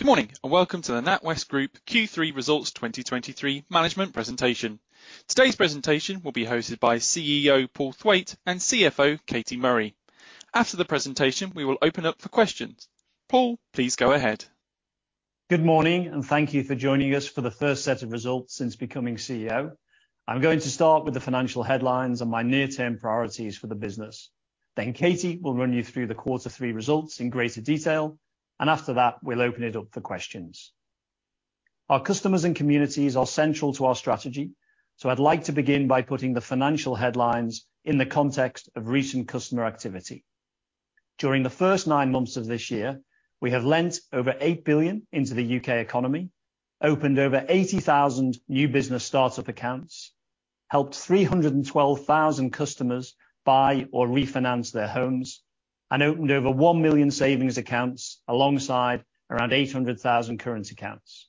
Good morning, and welcome to the NatWest Group Q3 Results 2023 management presentation. Today's presentation will be hosted by CEO, Paul Thwaite, and CFO, Katie Murray. After the presentation, we will open up for questions. Paul, please go ahead. Good morning, and thank you for joining us for the first set of results since becoming CEO. I'm going to start with the financial headlines and my near-term priorities for the business. Then Katie will run you through the Quarter Three results in greater detail, and after that, we'll open it up for questions. Our customers and communities are central to our strategy, so I'd like to begin by putting the financial headlines in the context of recent customer activity. During the first 9 months of this year, we have lent over 8 billion into the UK economy, opened over 80,000 new business startup accounts, helped 312,000 customers buy or refinance their homes, and opened over 1 million savings accounts, alongside around 800,000 current accounts.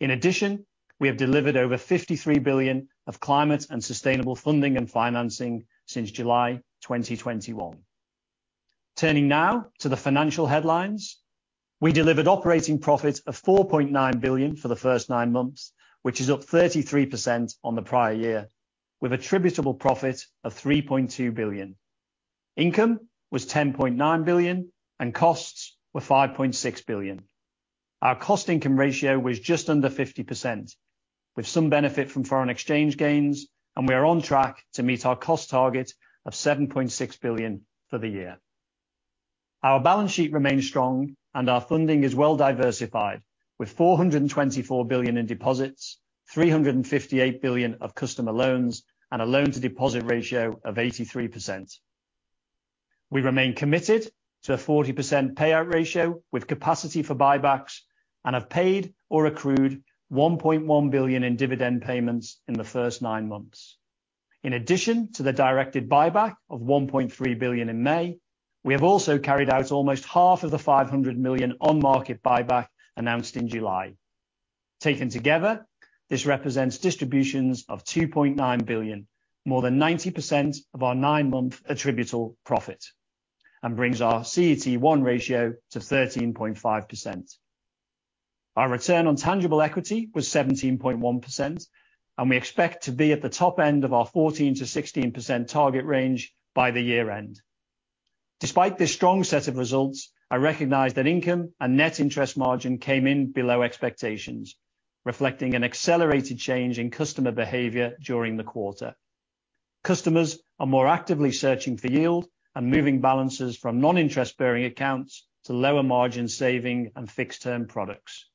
In addition, we have delivered over 53 billion of climate and sustainable funding and financing since July 2021. Turning now to the financial headlines, we delivered operating profit of 4.9 billion for the first nine months, which is up 33% on the prior year, with attributable profit of 3.2 billion. Income was 10.9 billion, and costs were 5.6 billion. Our cost income ratio was just under 50%, with some benefit from foreign exchange gains, and we are on track to meet our cost target of 7.6 billion for the year. Our balance sheet remains strong, and our funding is well diversified, with 424 billion in deposits, 358 billion of customer loans, and a loan-to-deposit ratio of 83%. We remain committed to a 40% payout ratio, with capacity for buybacks, and have paid or accrued 1.1 billion in dividend payments in the first nine months. In addition to the directed buyback of 1.3 billion in May, we have also carried out almost half of the 500 million on-market buyback announced in July. Taken together, this represents distributions of 2.9 billion, more than 90% of our nine-month attributable profit, and brings our CET1 ratio to 13.5%. Our return on tangible equity was 17.1%, and we expect to be at the top end of our 14%-16% target range by the year-end. Despite this strong set of results, I recognize that income and net interest margin came in below expectations, reflecting an accelerated change in customer behavior during the quarter. Customers are more actively searching for yield and moving balances from non-interest-bearing accounts to lower margin saving and fixed-term products.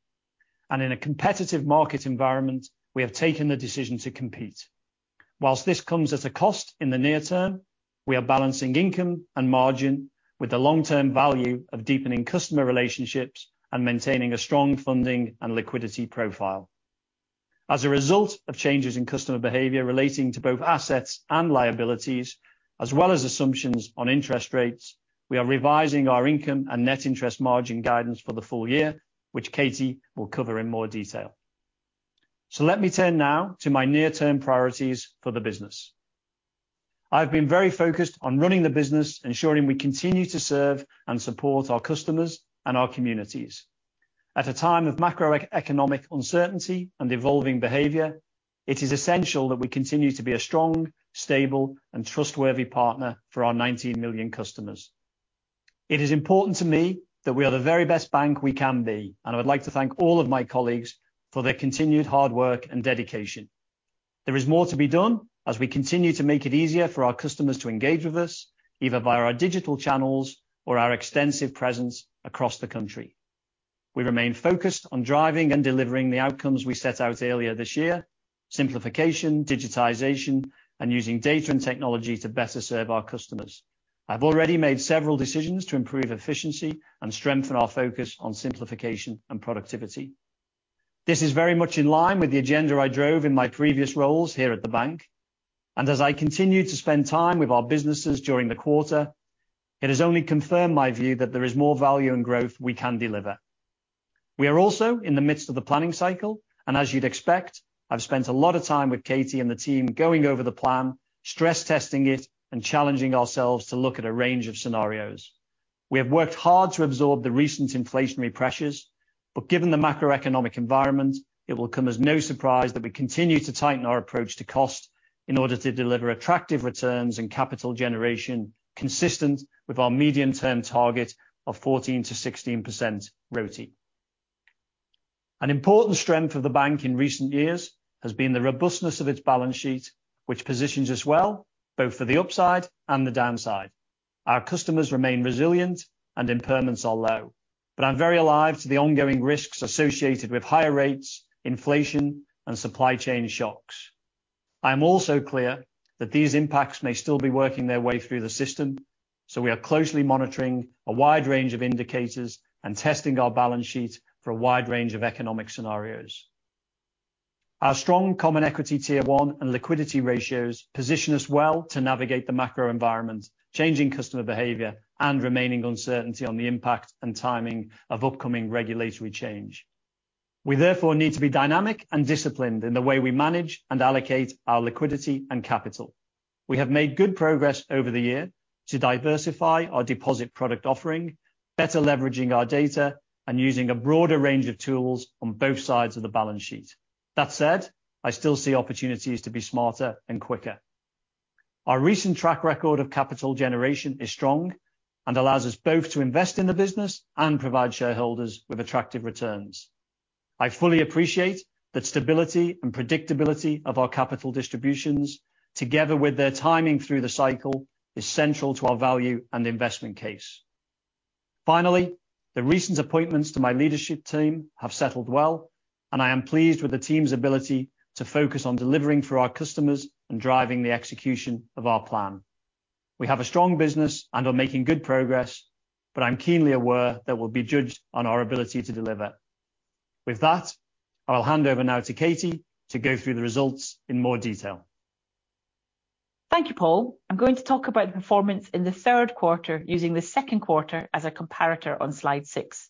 In a competitive market environment, we have taken the decision to compete. While this comes at a cost in the near term, we are balancing income and margin with the long-term value of deepening customer relationships and maintaining a strong funding and liquidity profile. As a result of changes in customer behavior relating to both assets and liabilities, as well as assumptions on interest rates, we are revising our income and net interest margin guidance for the full year, which Katie will cover in more detail. Let me turn now to my near-term priorities for the business. I've been very focused on running the business, ensuring we continue to serve and support our customers and our communities. At a time of macroeconomic uncertainty and evolving behavior, it is essential that we continue to be a strong, stable, and trustworthy partner for our 19 million customers. It is important to me that we are the very best bank we can be, and I would like to thank all of my colleagues for their continued hard work and dedication. There is more to be done as we continue to make it easier for our customers to engage with us, either via our digital channels or our extensive presence across the country. We remain focused on driving and delivering the outcomes we set out earlier this year: simplification, digitization, and using data and technology to better serve our customers. I've already made several decisions to improve efficiency and strengthen our focus on simplification and productivity. This is very much in line with the agenda I drove in my previous roles here at the bank, and as I continued to spend time with our businesses during the quarter, it has only confirmed my view that there is more value and growth we can deliver. We are also in the midst of the planning cycle, and as you'd expect, I've spent a lot of time with Katie and the team going over the plan, stress testing it, and challenging ourselves to look at a range of scenarios. We have worked hard to absorb the recent inflationary pressures, but given the macroeconomic environment, it will come as no surprise that we continue to tighten our approach to cost in order to deliver attractive returns and capital generation consistent with our medium-term target of 14%-16% ROTE. An important strength of the bank in recent years has been the robustness of its balance sheet, which positions us well, both for the upside and the downside. Our customers remain resilient, and impairments are low, but I'm very alive to the ongoing risks associated with higher rates, inflation, and supply chain shocks. I am also clear that these impacts may still be working their way through the system, so we are closely monitoring a wide range of indicators and testing our balance sheet for a wide range of economic scenarios. Our strong Common Equity Tier 1 and liquidity ratios position us well to navigate the macro environment, changing customer behavior, and remaining uncertainty on the impact and timing of upcoming regulatory change... We therefore need to be dynamic and disciplined in the way we manage and allocate our liquidity and capital. We have made good progress over the year to diversify our deposit product offering, better leveraging our data, and using a broader range of tools on both sides of the balance sheet. That said, I still see opportunities to be smarter and quicker. Our recent track record of capital generation is strong and allows us both to invest in the business and provide shareholders with attractive returns. I fully appreciate that stability and predictability of our capital distributions, together with their timing through the cycle, is central to our value and investment case. Finally, the recent appointments to my leadership team have settled well, and I am pleased with the team's ability to focus on delivering for our customers and driving the execution of our plan. We have a strong business and are making good progress, but I'm keenly aware that we'll be judged on our ability to deliver. With that, I'll hand over now to Katie to go through the results in more detail. Thank you, Paul. I'm going to talk about the performance in the third quarter, using the second quarter as a comparator on slide 6.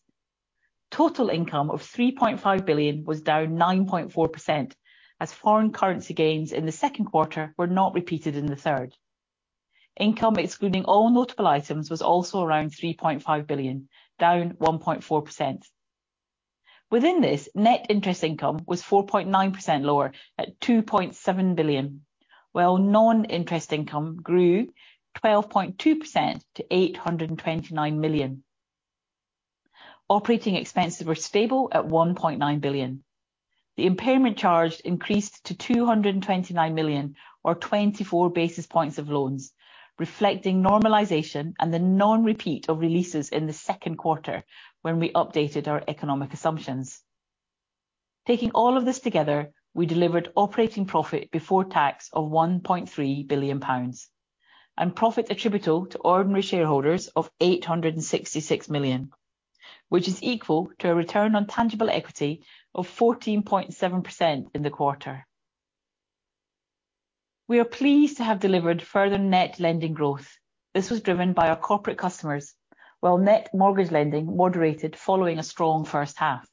Total income of 3.5 billion was down 9.4%, as foreign currency gains in the second quarter were not repeated in the third. Income, excluding all notable items, was also around 3.5 billion, down 1.4%. Within this, net interest income was 4.9% lower at 2.7 billion, while non-interest income grew 12.2% to 829 million. Operating expenses were stable at 1.9 billion. The impairment charge increased to 229 million or 24 basis points of loans, reflecting normalization and the non-repeat of releases in the second quarter when we updated our economic assumptions. Taking all of this together, we delivered operating profit before tax of GBP 1.3 billion, and profit attributable to ordinary shareholders of GBP 866 million, which is equal to a return on tangible equity of 14.7% in the quarter. We are pleased to have delivered further net lending growth. This was driven by our corporate customers, while net mortgage lending moderated following a strong first half.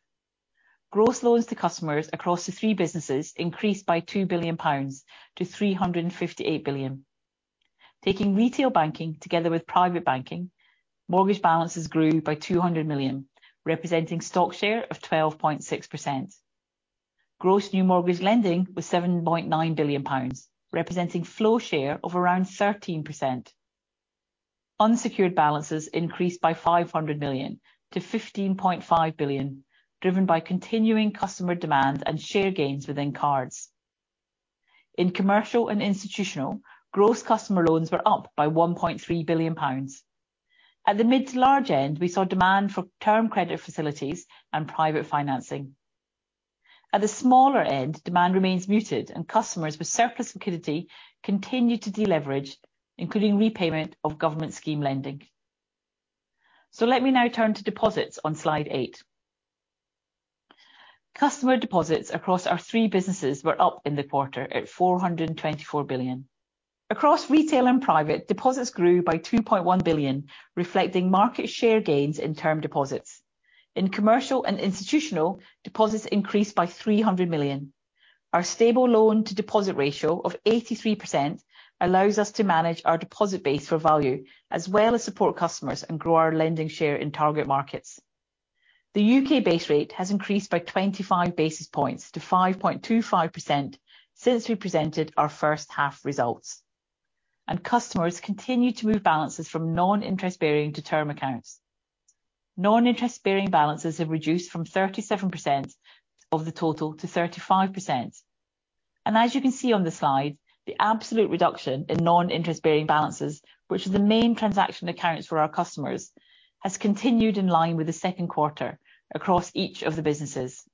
Gross loans to customers across the three businesses increased by 2 billion pounds to 358 billion. Taking retail banking together with private banking, mortgage balances grew by 200 million, representing stock share of 12.6%. Gross new mortgage lending was 7.9 billion pounds, representing flow share of around 13%. Unsecured balances increased by 500 million to 15.5 billion, driven by continuing customer demand and share gains within cards. In commercial and institutional, gross customer loans were up by 1.3 billion pounds. At the mid to large end, we saw demand for term credit facilities and private financing. At the smaller end, demand remains muted, and customers with surplus liquidity continued to deleverage, including repayment of government scheme lending. So let me now turn to deposits on slide 8. Customer deposits across our three businesses were up in the quarter at 424 billion. Across retail and private, deposits grew by 2.1 billion, reflecting market share gains in term deposits. In commercial and institutional, deposits increased by 300 million. Our stable loan-to-deposit ratio of 83% allows us to manage our deposit base for value, as well as support customers and grow our lending share in target markets. The UK base rate has increased by 25 basis points to 5.25% since we presented our first half results, and customers continued to move balances from non-interest bearing to term accounts. Non-interest bearing balances have reduced from 37% of the total to 35%. And as you can see on the slide, the absolute reduction in non-interest bearing balances, which is the main transaction accounts for our customers, has continued in line with the second quarter across each of the businesses.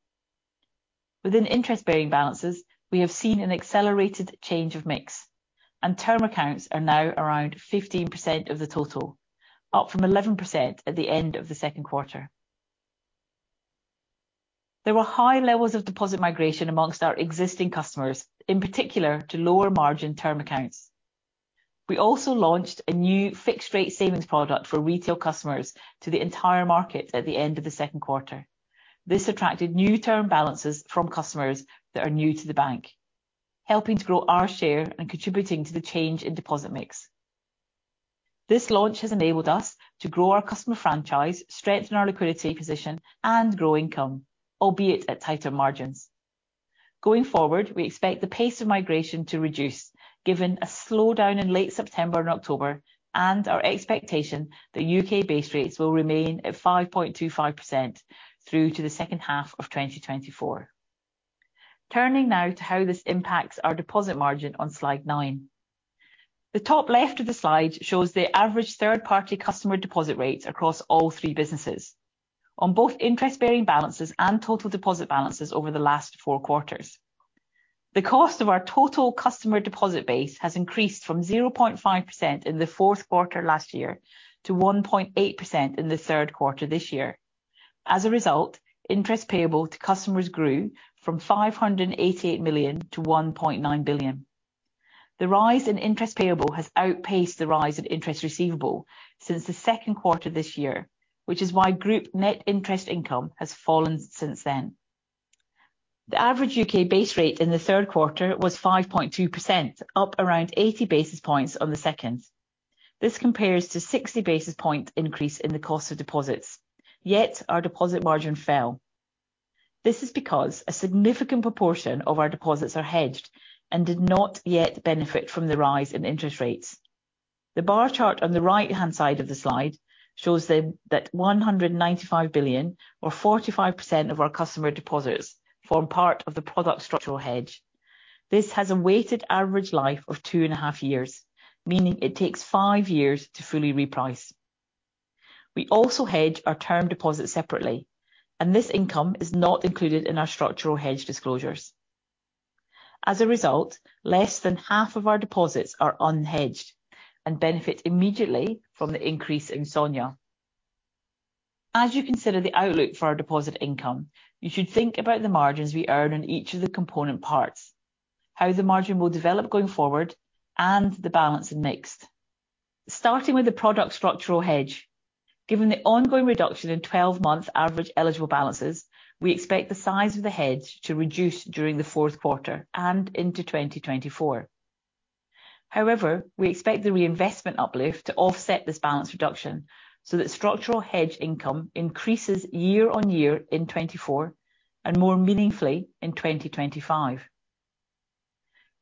Within interest-bearing balances, we have seen an accelerated change of mix, and term accounts are now around 15% of the total, up from 11% at the end of the second quarter. There were high levels of deposit migration among our existing customers, in particular, to lower margin term accounts. We also launched a new fixed-rate savings product for retail customers to the entire market at the end of the second quarter. This attracted new term balances from customers that are new to the bank, helping to grow our share and contributing to the change in deposit mix. This launch has enabled us to grow our customer franchise, strengthen our liquidity position, and grow income, albeit at tighter margins. Going forward, we expect the pace of migration to reduce, given a slowdown in late September and October, and our expectation that UK base rates will remain at 5.25% through to the second half of 2024. Turning now to how this impacts our deposit margin on slide nine. The top left of the slide shows the average third-party customer deposit rates across all three businesses, on both interest-bearing balances and total deposit balances over the last four quarters. The cost of our total customer deposit base has increased from 0.5% in the fourth quarter last year to 1.8% in the third quarter this year. As a result, interest payable to customers grew from 588 million to 1.9 billion. The rise in interest payable has outpaced the rise in interest receivable since the second quarter this year, which is why group net interest income has fallen since then. The average UK base rate in the third quarter was 5.2%, up around 80 basis points on the second. This compares to 60 basis point increase in the cost of deposits, yet our deposit margin fell. This is because a significant proportion of our deposits are hedged and did not yet benefit from the rise in interest rates. The bar chart on the right-hand side of the slide shows that 195 billion, or 45% of our customer deposits, form part of the product structural hedge. This has a weighted average life of two and a half years, meaning it takes five years to fully reprice. We also hedge our term deposits separately, and this income is not included in our structural hedge disclosures. As a result, less than half of our deposits are unhedged and benefit immediately from the increase in SONIA. As you consider the outlook for our deposit income, you should think about the margins we earn on each of the component parts, how the margin will develop going forward, and the balance of mixed. Starting with the product structural hedge. Given the ongoing reduction in twelve-month average eligible balances, we expect the size of the hedge to reduce during the fourth quarter and into 2024. However, we expect the reinvestment uplift to offset this balance reduction so that structural hedge income increases year on year in 2024 and more meaningfully in 2025.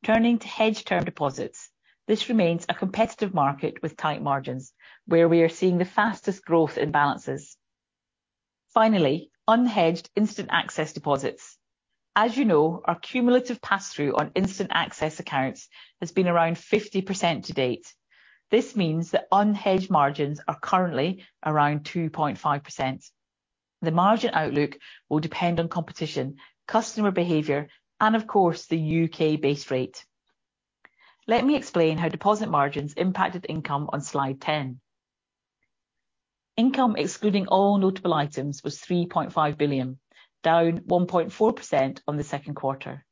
Turning to hedged term deposits, this remains a competitive market with tight margins, where we are seeing the fastest growth in balances. Finally, unhedged instant access deposits. As you know, our cumulative pass-through on instant access accounts has been around 50% to date. This means that unhedged margins are currently around 2.5%. The margin outlook will depend on competition, customer behavior, and of course, the UK base rate. Let me explain how deposit margins impacted income on slide 10. Income, excluding all notable items, was 3.5 billion, down 1.4% on the second quarter.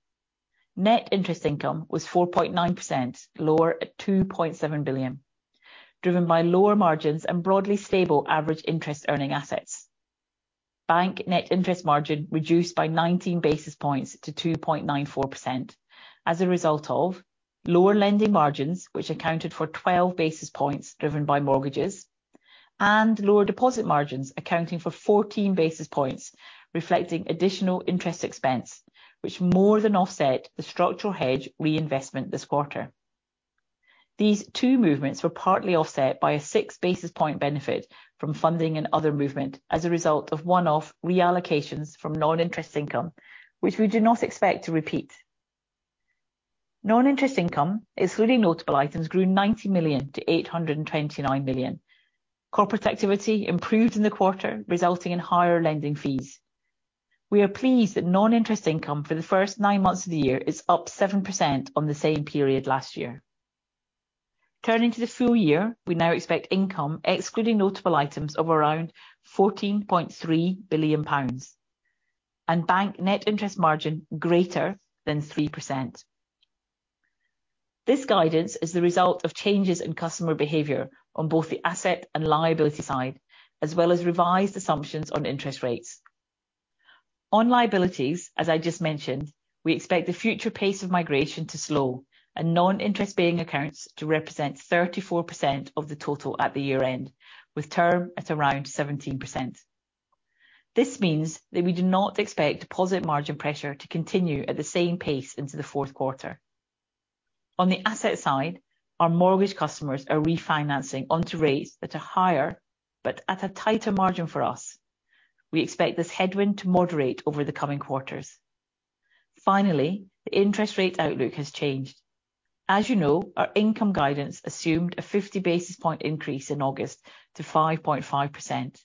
Net interest income was 4.9% lower at 2.7 billion, driven by lower margins and broadly stable average interest earning assets. Bank net interest margin reduced by 19 basis points to 2.94% as a result of lower lending margins, which accounted for 12 basis points, driven by mortgages, and lower deposit margins, accounting for 14 basis points, reflecting additional interest expense, which more than offset the structural hedge reinvestment this quarter. These two movements were partly offset by a 6 basis point benefit from funding and other movement as a result of one-off reallocations from non-interest income, which we do not expect to repeat. Non-interest income, excluding notable items, grew 90 million to 829 million. Corporate activity improved in the quarter, resulting in higher lending fees. We are pleased that non-interest income for the first nine months of the year is up 7% on the same period last year. Turning to the full year, we now expect income, excluding notable items, of around GBP 14.3 billion, and bank net interest margin greater than 3%. This guidance is the result of changes in customer behavior on both the asset and liability side, as well as revised assumptions on interest rates. On liabilities, as I just mentioned, we expect the future pace of migration to slow and non-interest bearing accounts to represent 34% of the total at the year-end, with term at around 17%. This means that we do not expect deposit margin pressure to continue at the same pace into the fourth quarter. On the asset side, our mortgage customers are refinancing onto rates that are higher, but at a tighter margin for us. We expect this headwind to moderate over the coming quarters. Finally, the interest rate outlook has changed. As you know, our income guidance assumed a 50 basis point increase in August to 5.5%.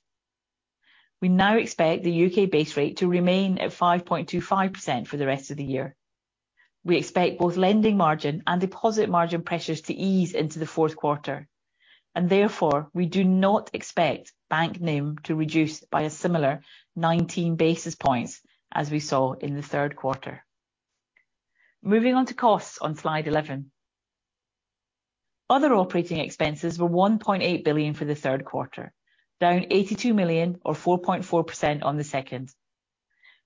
We now expect the UK base rate to remain at 5.25% for the rest of the year. We expect both lending margin and deposit margin pressures to ease into the fourth quarter, and therefore, we do not expect bank NIM to reduce by a similar 19 basis points as we saw in the third quarter. Moving on to costs on slide 11. Other operating expenses were 1.8 billion for the third quarter, down 82 million or 4.4% on the second.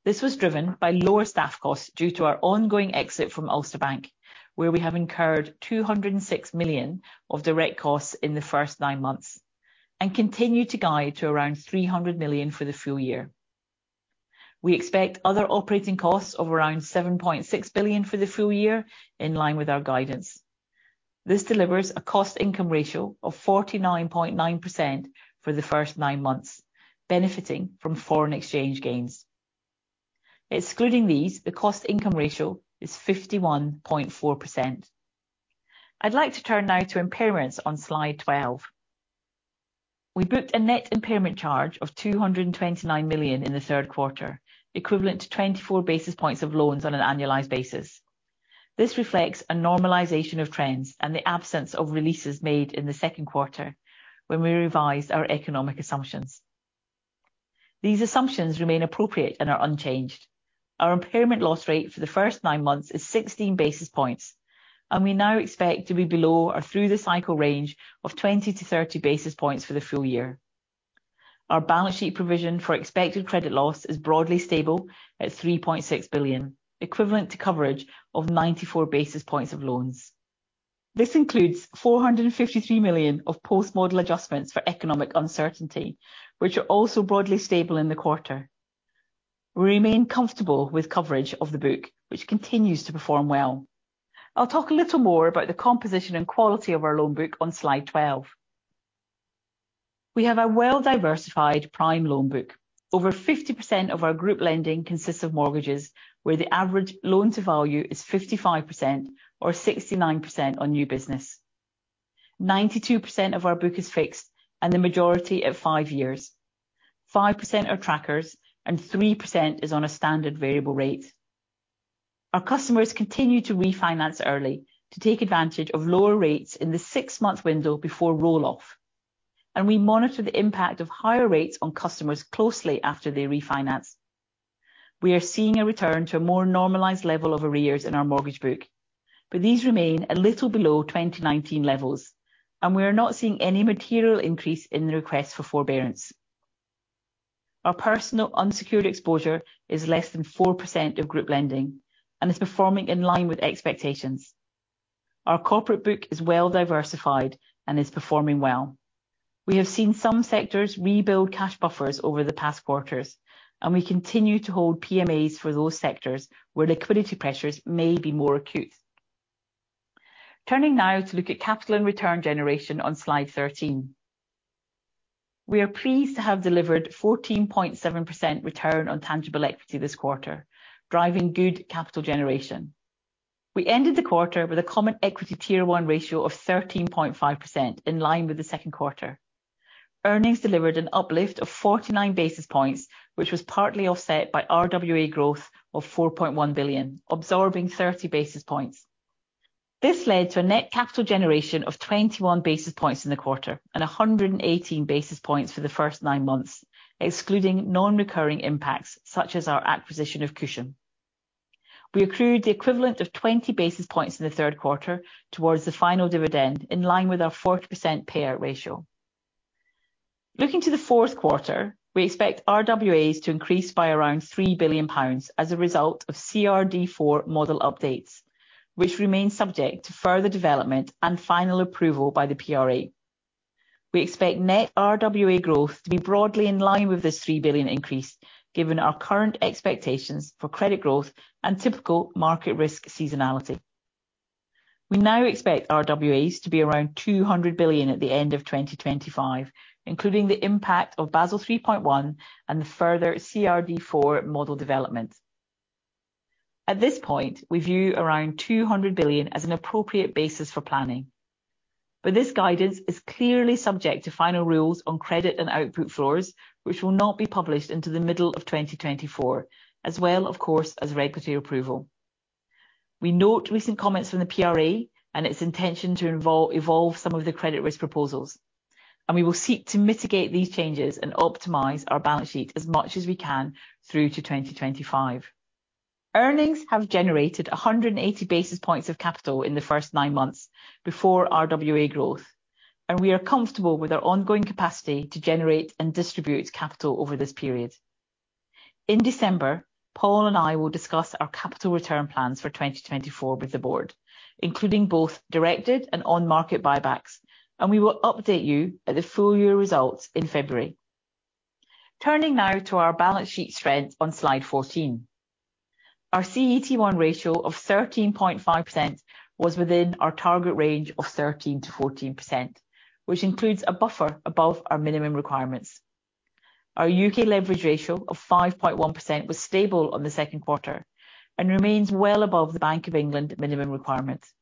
This was driven by lower staff costs due to our ongoing exit from Ulster Bank, where we have incurred 206 million of direct costs in the first nine months and continue to guide to around 300 million for the full year. We expect other operating costs of around 7.6 billion for the full year, in line with our guidance. This delivers a cost income ratio of 49.9% for the first nine months, benefiting from foreign exchange gains. Excluding these, the cost income ratio is 51.4%. I'd like to turn now to impairments on slide 12. We booked a net impairment charge of 229 million in the third quarter, equivalent to 24 basis points of loans on an annualized basis. This reflects a normalization of trends and the absence of releases made in the second quarter when we revised our economic assumptions. These assumptions remain appropriate and are unchanged. Our impairment loss rate for the first nine months is 16 basis points, and we now expect to be below or through the cycle range of 20-30 basis points for the full year. Our balance sheet provision for expected credit loss is broadly stable at 3.6 billion, equivalent to coverage of 94 basis points of loans. This includes 453 million of post-model adjustments for economic uncertainty, which are also broadly stable in the quarter. We remain comfortable with coverage of the book, which continues to perform well. I'll talk a little more about the composition and quality of our loan book on slide 12. We have a well-diversified prime loan book. Over 50% of our group lending consists of mortgages, where the average loan to value is 55% or 69% on new business. 92% of our book is fixed and the majority at 5 years. 5% are trackers and 3% is on a standard variable rate. Our customers continue to refinance early to take advantage of lower rates in the 6-month window before roll-off, and we monitor the impact of higher rates on customers closely after they refinance. We are seeing a return to a more normalized level of arrears in our mortgage book, but these remain a little below 2019 levels, and we are not seeing any material increase in the request for forbearance. Our personal unsecured exposure is less than 4% of group lending and is performing in line with expectations. Our corporate book is well diversified and is performing well. We have seen some sectors rebuild cash buffers over the past quarters, and we continue to hold PMAs for those sectors where liquidity pressures may be more acute. Turning now to look at capital and return generation on Slide 13. We are pleased to have delivered 14.7 return on tangible equity this quarter, driving good capital generation. We ended the quarter with a Common Equity Tier 1 ratio of 13.5%, in line with the second quarter. Earnings delivered an uplift of 49 basis points, which was partly offset by RWA growth of £4.1 billion, absorbing 30 basis points. This led to a net capital generation of 21 basis points in the quarter and 118 basis points for the first nine months, excluding non-recurring impacts, such as our acquisition of Cushon. We accrued the equivalent of 20 basis points in the third quarter towards the final dividend, in line with our 40% payout ratio. Looking to the fourth quarter, we expect RWAs to increase by around 3 billion pounds as a result of CRD IV model updates, which remain subject to further development and final approval by the PRA. We expect net RWA growth to be broadly in line with this three billion increase, given our current expectations for credit growth and typical market risk seasonality. We now expect RWAs to be around 200 billion at the end of 2025, including the impact of Basel 3.1 and the further CRD IVmodel development. At this point, we view around 200 billion as an appropriate basis for planning. But this guidance is clearly subject to final rules on credit and output floors, which will not be published into the middle of 2024, as well, of course, as regulatory approval. We note recent comments from the PRA and its intention to evolve some of the credit risk proposals, and we will seek to mitigate these changes and optimize our balance sheet as much as we can through to 2025. Earnings have generated 180 basis points of capital in the first nine months before RWA growth, and we are comfortable with our ongoing capacity to generate and distribute capital over this period. In December, Paul and I will discuss our capital return plans for 2024 with the board, including both directed and on-market buybacks, and we will update you at the full year results in February. Turning now to our balance sheet strength on Slide 14. Our CET1 ratio of 13.5% was within our target range of 13%-14%, which includes a buffer above our minimum requirements. Our UK leverage ratio of 5.1% was stable on the second quarter and remains well above the Bank of England minimum requirements.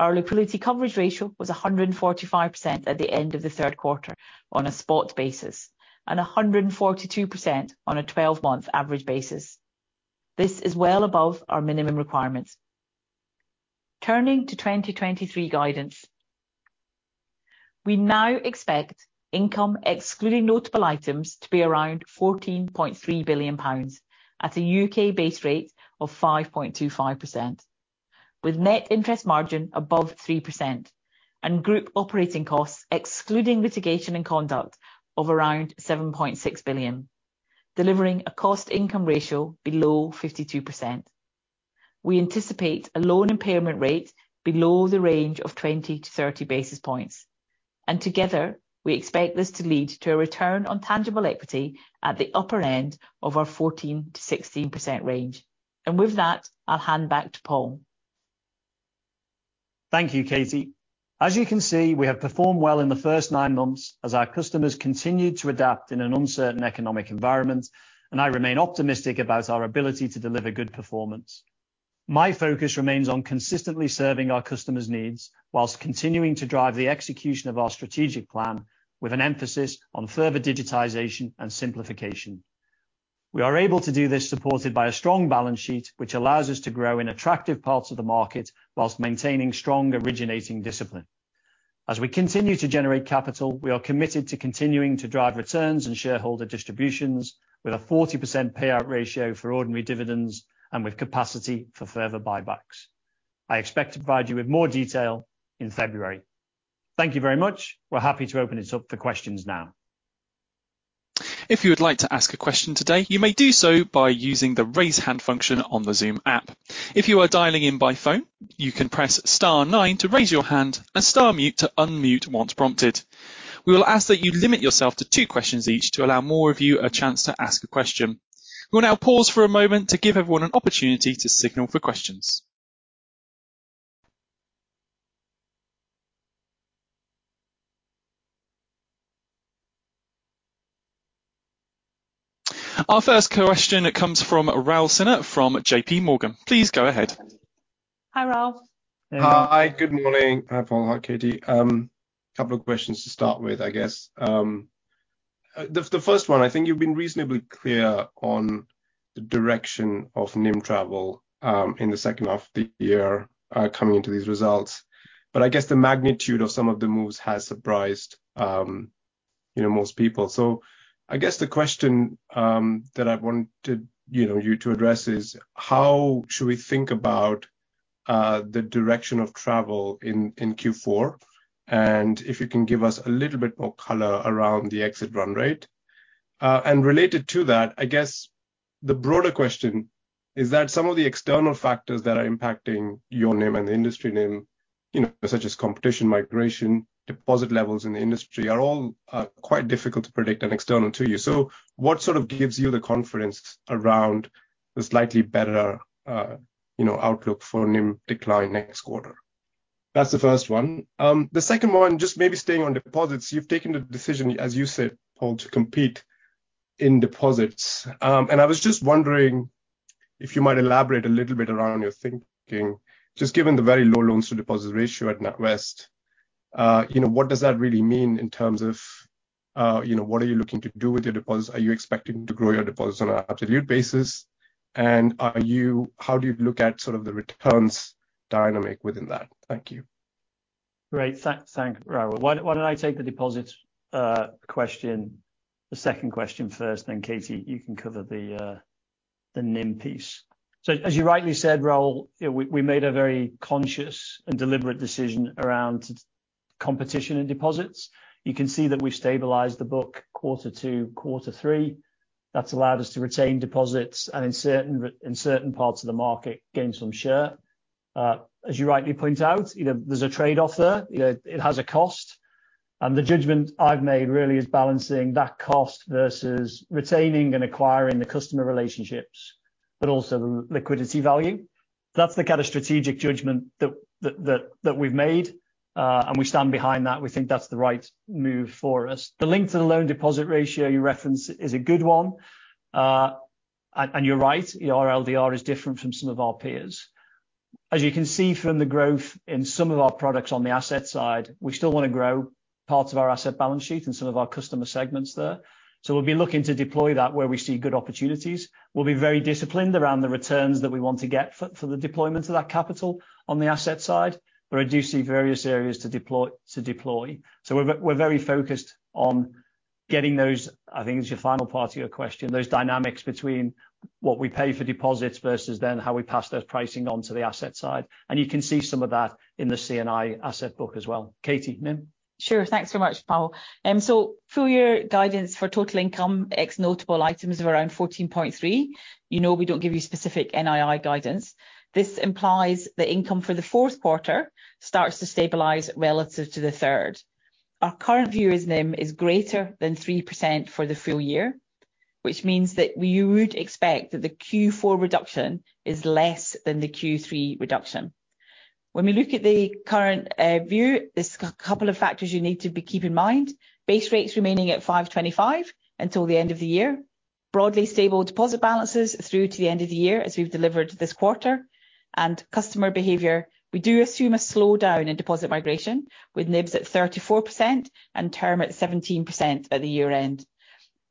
Our liquidity coverage ratio was 145% at the end of the third quarter on a spot basis, and 142% on a 12-month average basis. This is well above our minimum requirements. Turning to 2023 guidance. We now expect income, excluding notable items, to be around 14.3 billion pounds at a UK base rate of 5.25%, with net interest margin above 3% and group operating costs, excluding litigation and conduct, of around 7.6 billion, delivering a cost income ratio below 52%. We anticipate a loan impairment rate below the range of 20-30 basis points, and together, we expect this to lead to a return on tangible equity at the upper end of our 14%-16% range. And with that, I'll hand back to Paul. Thank you, Katie. As you can see, we have performed well in the first nine months as our customers continued to adapt in an uncertain economic environment, and I remain optimistic about our ability to deliver good performance. My focus remains on consistently serving our customers' needs while continuing to drive the execution of our strategic plan with an emphasis on further digitization and simplification. ... We are able to do this, supported by a strong balance sheet, which allows us to grow in attractive parts of the market while maintaining strong originating discipline. As we continue to generate capital, we are committed to continuing to drive returns and shareholder distributions with a 40% payout ratio for ordinary dividends and with capacity for further buybacks. I expect to provide you with more detail in February. Thank you very much. We're happy to open it up for questions now. If you would like to ask a question today, you may do so by using the Raise Hand function on the Zoom app. If you are dialing in by phone, you can press star nine to raise your hand and star mute to unmute once prompted. We will ask that you limit yourself to two questions each to allow more of you a chance to ask a question. We'll now pause for a moment to give everyone an opportunity to signal for questions. Our first question comes from Rahul Sinha from JPMorgan. Please go ahead. Hi, Rahul. Hi, good morning. Hi, Paul. Hi, Katie. A couple of questions to start with, I guess. The first one, I think you've been reasonably clear on the direction of NIM travel in the second half of the year, coming into these results. But I guess the magnitude of some of the moves has surprised, you know, most people. So I guess the question that I wanted, you know, you to address is: how should we think about the direction of travel in Q4? And if you can give us a little bit more color around the exit run rate. And related to that, I guess the broader question is that some of the external factors that are impacting your NIM and the industry NIM, you know, such as competition, migration, deposit levels in the industry, are all quite difficult to predict and external to you. So what sort of gives you the confidence around the slightly better, you know, outlook for NIM decline next quarter? That's the first one. The second one, just maybe staying on deposits. You've taken the decision, as you said, Paul, to compete in deposits. And I was just wondering if you might elaborate a little bit around your thinking, just given the very low loans to deposits ratio at NatWest, you know, what does that really mean in terms of, you know, what are you looking to do with your deposits? Are you expecting to grow your deposits on an absolute basis? And how do you look at sort of the returns dynamic within that? Thank you. Great. Thank, Rahul. Why don't I take the deposits question, the second question first, then, Katie, you can cover the NIM piece. So as you rightly said, Rahul, you know, we made a very conscious and deliberate decision around competition and deposits. You can see that we've stabilized the book quarter two, quarter three. That's allowed us to retain deposits, and in certain parts of the market, gain some share. As you rightly point out, you know, there's a trade-off there. You know, it has a cost, and the judgment I've made really is balancing that cost versus retaining and acquiring the customer relationships, but also the liquidity value. That's the kind of strategic judgment that we've made, and we stand behind that. We think that's the right move for us. The link to the loan-to-deposit ratio you referenced is a good one. You're right, our LDR is different from some of our peers. As you can see from the growth in some of our products on the asset side, we still want to grow parts of our asset balance sheet and some of our customer segments there, so we'll be looking to deploy that where we see good opportunities. We'll be very disciplined around the returns that we want to get for the deployment of that capital on the asset side, but I do see various areas to deploy. So we're very focused on getting those, I think it's your final part of your question, those dynamics between what we pay for deposits versus then how we pass those pricing on to the asset side, and you can see some of that in the C&I asset book as well. Katie, NIM? Sure. Thanks so much, Paul. So full year guidance for total income, ex notable items of around 14.3. You know, we don't give you specific NII guidance. This implies the income for the fourth quarter starts to stabilize relative to the third. Our current view is NIM is greater than 3% for the full year, which means that we would expect that the Q4 reduction is less than the Q3 reduction. When we look at the current view, there's a couple of factors you need to keep in mind. Base rates remaining at 5.25 until the end of the year, broadly stable deposit balances through to the end of the year, as we've delivered this quarter. And customer behavior, we do assume a slowdown in deposit migration, with NIBs at 34% and term at 17% at the year-end.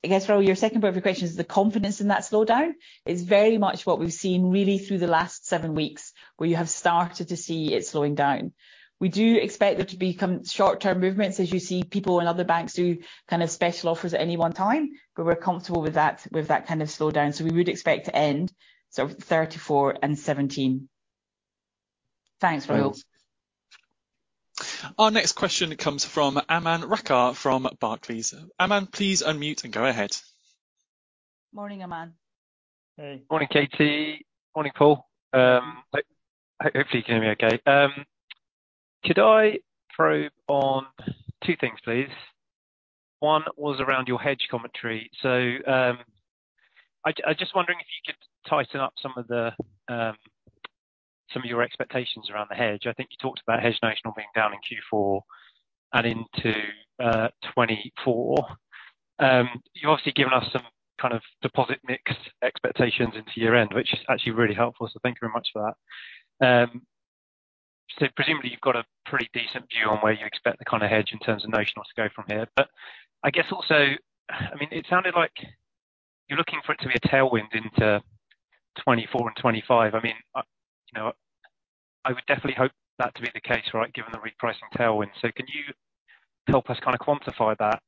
I guess, Rahul, your second part of your question is the confidence in that slowdown. It's very much what we've seen really through the last seven weeks, where you have started to see it slowing down. We do expect there to be some short-term movements, as you see people in other banks do kind of special offers at any one time, but we're comfortable with that, with that kind of slowdown. So we would expect to end sort of at 34 and 17. Thanks, Rahul. Our next question comes from Aman Rakkar, from Barclays. Aman, please unmute and go ahead. Morning, Aman. Hey. Morning, Katie. Morning, Paul. Hopefully you can hear me okay. Could I probe on two things, please? One was around your hedge commentary. So, I'm just wondering if you could tighten up some of the some of your expectations around the hedge. I think you talked about hedge notionals being down in Q4 and into 2024. You've obviously given us some kind of deposit mix expectations into year-end, which is actually really helpful, so thank you very much for that. So presumably, you've got a pretty decent view on where you expect the kind of hedge in terms of notional to go from here. But I guess also, I mean, it sounded like you're looking for it to be a tailwind into 2024 and 2025. I mean, you know, I would definitely hope that to be the case, right? Given the repricing tailwind. So can you help us kind of quantify that?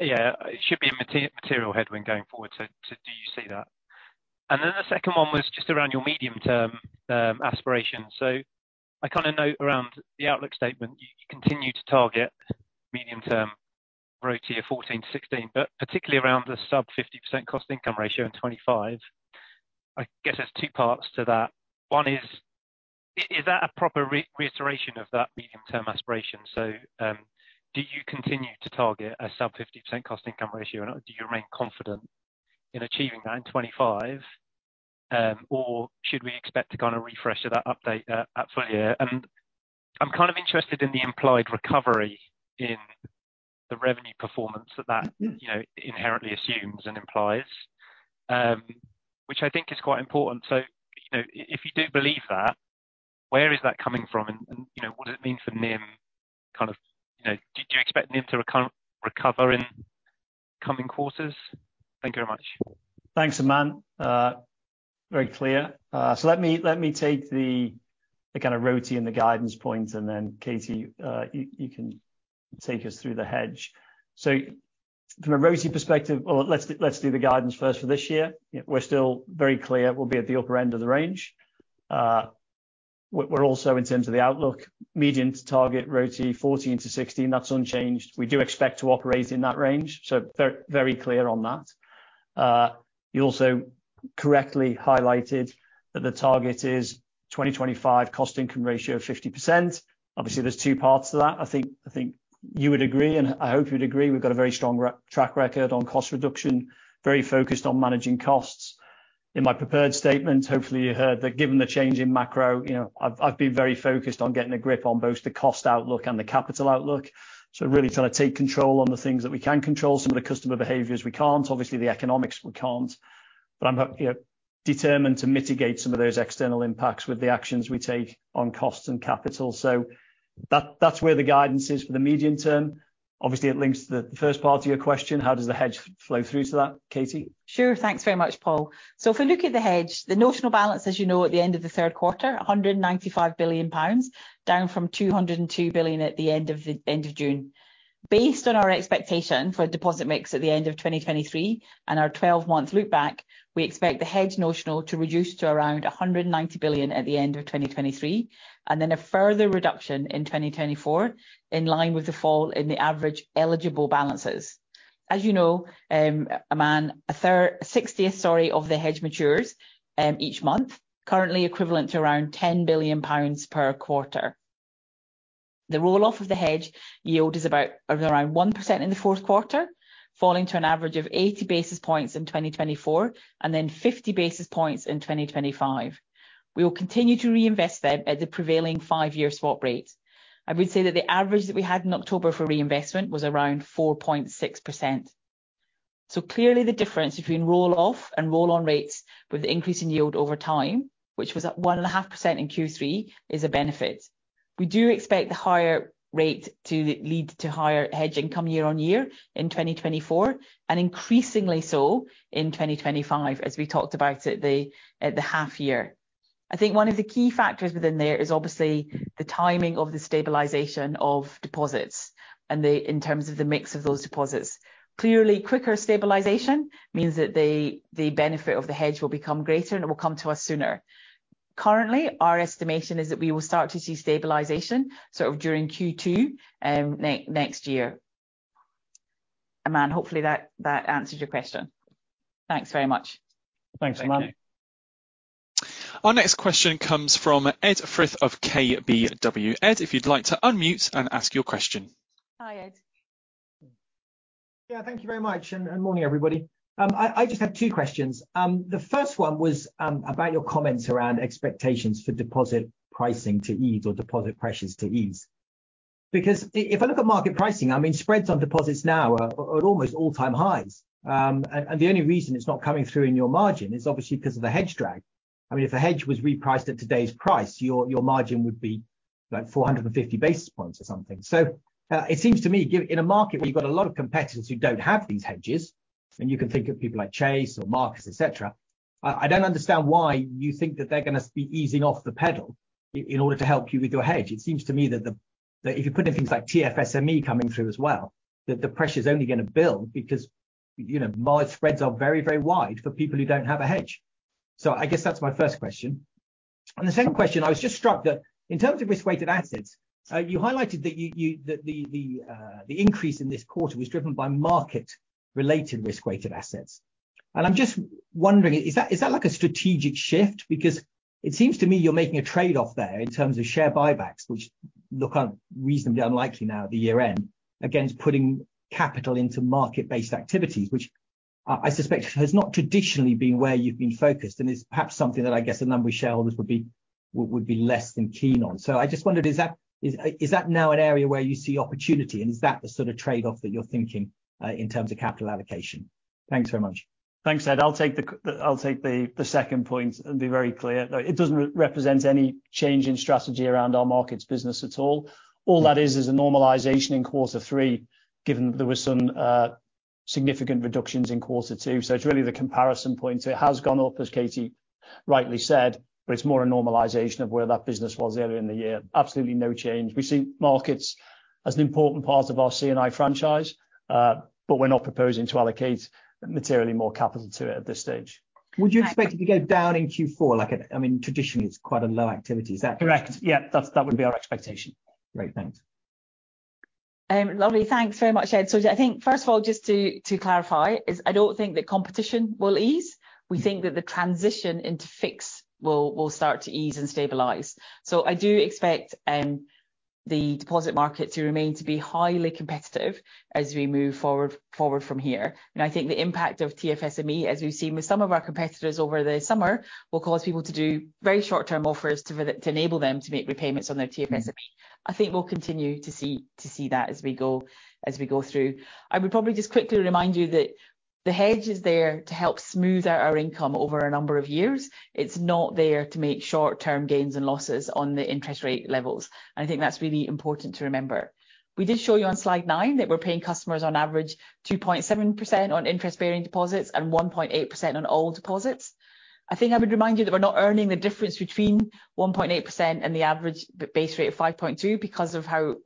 Yeah, it should be a material headwind going forward, so do you see that? And then the second one was just around your medium-term aspiration. So I kind of note around the outlook statement, you continue to target medium-term ROTE 14%-16%, but particularly around the sub 50% cost-income ratio in 2025. I guess there's two parts to that. One is, is that a proper reiteration of that medium-term aspiration? So, do you continue to target a sub 50% cost-income ratio, and do you remain confident in achieving that in 2025? Or should we expect to kind of refresh that update at full year? I'm kind of interested in the implied recovery in the revenue performance that you know inherently assumes and implies, which I think is quite important. So, you know, if you do believe that, where is that coming from, and you know, what does it mean for NIM, kind of, you know, do you expect NIM to recover in coming quarters? Thank you very much. Thanks, Aman. Very clear. So let me take the kind of ROTE and the guidance points, and then, Katie, you can take us through the rest. So from a ROTE perspective... Well, let's do the guidance first for this year. We're still very clear we'll be at the upper end of the range. We're also in terms of the outlook, medium to target, ROTE 14-16. That's unchanged. We do expect to operate in that range, so very clear on that. You also correctly highlighted that the target is 2025 cost-income ratio of 50%. Obviously, there's two parts to that. I think you would agree, and I hope you'd agree, we've got a very strong track record on cost reduction, very focused on managing costs. In my prepared statement, hopefully, you heard that given the change in macro, you know, I've been very focused on getting a grip on both the cost outlook and the capital outlook. So really trying to take control on the things that we can control. Some of the customer behaviors, we can't. Obviously, the economics, we can't. But I'm, you know, determined to mitigate some of those external impacts with the actions we take on costs and capital. So that's where the guidance is for the medium term. Obviously, it links to the first part of your question: How does the hedge flow through to that, Katie? Sure. Thanks very much, Paul. So if we look at the hedge, the notional balance, as you know, at the end of the third quarter, 195 billion pounds, down from 202 billion at the end of June. Based on our expectation for a deposit mix at the end of 2023 and our 12-month look back, we expect the hedge notional to reduce to around 190 billion at the end of 2023, and then a further reduction in 2024, in line with the fall in the average eligible balances. As you know, Aman, a sixtieth, sorry, of the hedge matures each month, currently equivalent to around 10 billion pounds per quarter. The roll-off of the hedge yield is about around 1% in the fourth quarter, falling to an average of 80 basis points in 2024 and then 50 basis points in 2025. We will continue to reinvest them at the prevailing 5-year swap rate. I would say that the average that we had in October for reinvestment was around 4.6%. So clearly, the difference between roll-off and roll-on rates with the increase in yield over time, which was at 1.5% in Q3, is a benefit. We do expect the higher rate to lead to higher hedge income year on year in 2024, and increasingly so in 2025, as we talked about at the, at the half year. I think one of the key factors within there is obviously the timing of the stabilization of deposits and the, in terms of the mix of those deposits. Clearly, quicker stabilization means that the benefit of the hedge will become greater, and it will come to us sooner. Currently, our estimation is that we will start to see stabilization sort of during Q2, next year. Aman, hopefully that answers your question. Thanks very much. Thanks, Aman. Thank you. Our next question comes from Ed Firth of KBW. Ed, if you'd like to unmute and ask your question. Hi, Ed. Yeah, thank you very much, and morning, everybody. I just have two questions. The first one was about your comments around expectations for deposit pricing to ease or deposit pressures to ease. Because if I look at market pricing, I mean, spreads on deposits now are at almost all-time highs. And the only reason it's not coming through in your margin is obviously because of the hedge drag. I mean, if the hedge was repriced at today's price, your margin would be, like, 450 basis points or something. So, it seems to me, in a market where you've got a lot of competitors who don't have these hedges, and you can think of people like Chase or Marcus, et cetera, I don't understand why you think that they're gonna be easing off the pedal in order to help you with your hedge. It seems to me that if you put in things like TFSME coming through as well, that the pressure is only gonna build because, you know, margin spreads are very, very wide for people who don't have a hedge. So I guess that's my first question. And the second question, I was just struck that in terms of risk-weighted assets, you highlighted that the increase in this quarter was driven by market-related risk-weighted assets. I'm just wondering, is that like a strategic shift? Because it seems to me you're making a trade-off there in terms of share buybacks, which look reasonably unlikely now at the year-end, against putting capital into market-based activities, which I suspect has not traditionally been where you've been focused and is perhaps something that I guess a number of shareholders would be less than keen on. So I just wondered, is that now an area where you see opportunity, and is that the sort of trade-off that you're thinking in terms of capital allocation?... Thanks very much. Thanks, Ed. I'll take the second point and be very clear. It doesn't represent any change in strategy around our markets business at all. All that is, is a normalization in quarter three, given that there were some significant reductions in quarter two. So it's really the comparison point. It has gone up, as Katie rightly said, but it's more a normalization of where that business was earlier in the year. Absolutely no change. We see markets as an important part of our C&I franchise, but we're not proposing to allocate materially more capital to it at this stage. Would you expect it to go down in Q4? Like, I, I mean, traditionally, it's quite a low activity. Is that correct? Correct. Yeah, that's, that would be our expectation. Great. Thanks. Lovely. Thanks very much, Ed. So I think, first of all, just to clarify, is I don't think that competition will ease. We think that the transition into fix will start to ease and stabilize. So I do expect, the deposit market to remain to be highly competitive as we move forward from here. And I think the impact of TFSME, as we've seen with some of our competitors over the summer, will cause people to do very short-term offers to enable them to make repayments on their TFSME. Mm-hmm. I think we'll continue to see that as we go through. I would probably just quickly remind you that the hedge is there to help smooth out our income over a number of years. It's not there to make short-term gains and losses on the interest rate levels, and I think that's really important to remember. We did show you on slide nine that we're paying customers on average 2.7% on interest-bearing deposits and 1.8% on all deposits. I think I would remind you that we're not earning the difference between 1.8% and the average base rate of 5.2 because of how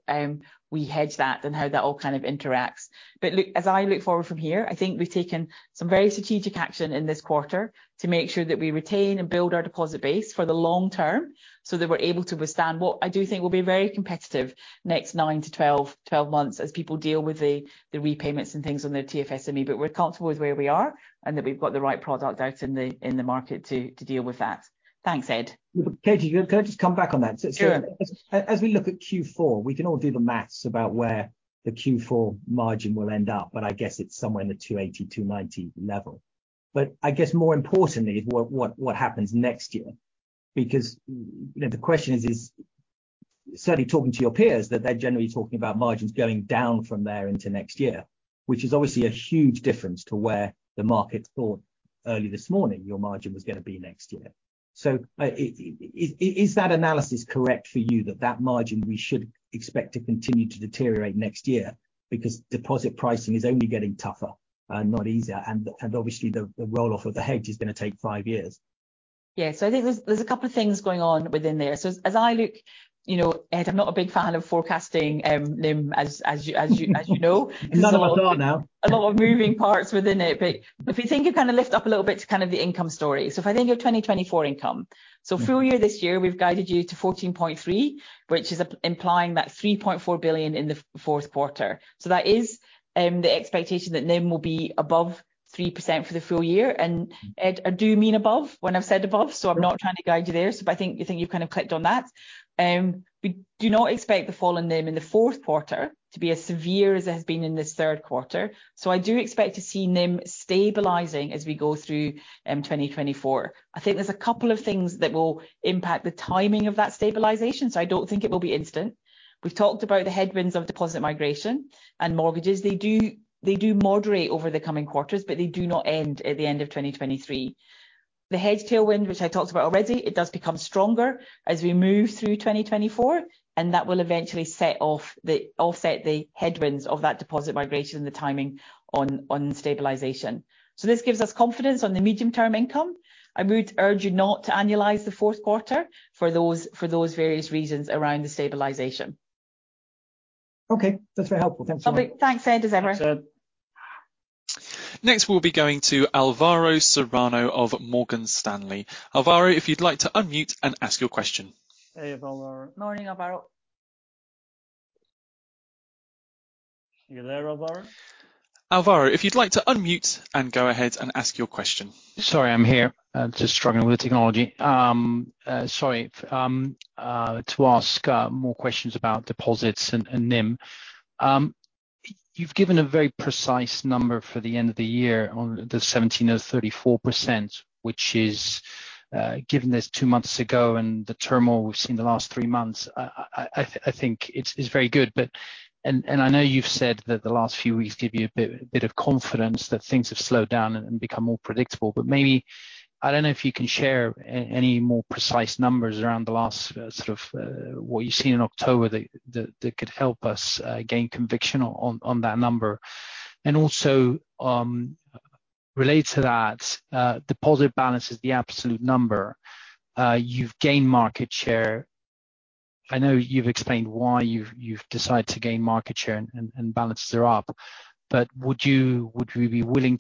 we hedge that and how that all kind of interacts. But look, as I look forward from here, I think we've taken some very strategic action in this quarter to make sure that we retain and build our deposit base for the long term, so that we're able to withstand what I do think will be very competitive next 9-12 months as people deal with the repayments and things on their TFSME. But we're comfortable with where we are, and that we've got the right product out in the market to deal with that. Thanks, Ed. Katie, can I just come back on that? Sure. So as we look at Q4, we can all do the math about where the Q4 margin will end up, but I guess it's somewhere in the 2.80-2.90 level. But I guess more importantly is what happens next year? Because, you know, the question is, certainly talking to your peers, that they're generally talking about margins going down from there into next year, which is obviously a huge difference to where the markets thought early this morning your margin was gonna be next year. So, is that analysis correct for you, that that margin we should expect to continue to deteriorate next year? Because deposit pricing is only getting tougher and not easier, and obviously the roll-off of the hedge is gonna take 5 years. Yeah. So I think there's a couple of things going on within there. So as I look, you know, Ed, I'm not a big fan of forecasting NIM, as you.... as you know. None of us are now. A lot of moving parts within it. But if you think, you kind of lift up a little bit to kind of the income story. So if I think of 2024 income, so full year, this year, we've guided you to 14.3 billion, which is implying that 3.4 billion in the fourth quarter. So that is the expectation that NIM will be above 3% for the full year. And Ed, I do mean above when I've said above, so I'm not trying to guide you there. So but I think, I think you've kind of clicked on that. We do not expect the fall in NIM in the fourth quarter to be as severe as it has been in this third quarter, so I do expect to see NIM stabilizing as we go through 2024. I think there's a couple of things that will impact the timing of that stabilization, so I don't think it will be instant. We've talked about the headwinds of deposit migration and mortgages. They do, they do moderate over the coming quarters, but they do not end at the end of 2023. The hedge tailwind, which I talked about already, it does become stronger as we move through 2024, and that will eventually offset the headwinds of that deposit migration and the timing on, on stabilization. So this gives us confidence on the medium-term income. I would urge you not to annualize the fourth quarter for those, for those various reasons around the stabilization. Okay. That's very helpful. Thanks, Katie. Lovely. Thanks, Ed, as ever. Thanks, Ed. Next, we'll be going to Alvaro Serrano of Morgan Stanley. Alvaro, if you'd like to unmute and ask your question. Hey, Alvaro. Morning, Alvaro. You there, Alvaro? Alvaro, if you'd like to unmute and go ahead and ask your question. Sorry, I'm here. I'm just struggling with the technology. Sorry to ask more questions about deposits and NIM. You've given a very precise number for the end of the year on the 17%-34%, which is, given this two months ago and the turmoil we've seen the last three months, I think it's very good. But I know you've said that the last few weeks give you a bit of confidence that things have slowed down and become more predictable, but maybe I don't know if you can share any more precise numbers around the last sort of what you've seen in October that could help us gain conviction on that number. Also, related to that, deposit balance is the absolute number. You've gained market share. I know you've explained why you've decided to gain market share and balances are up, but would you be willing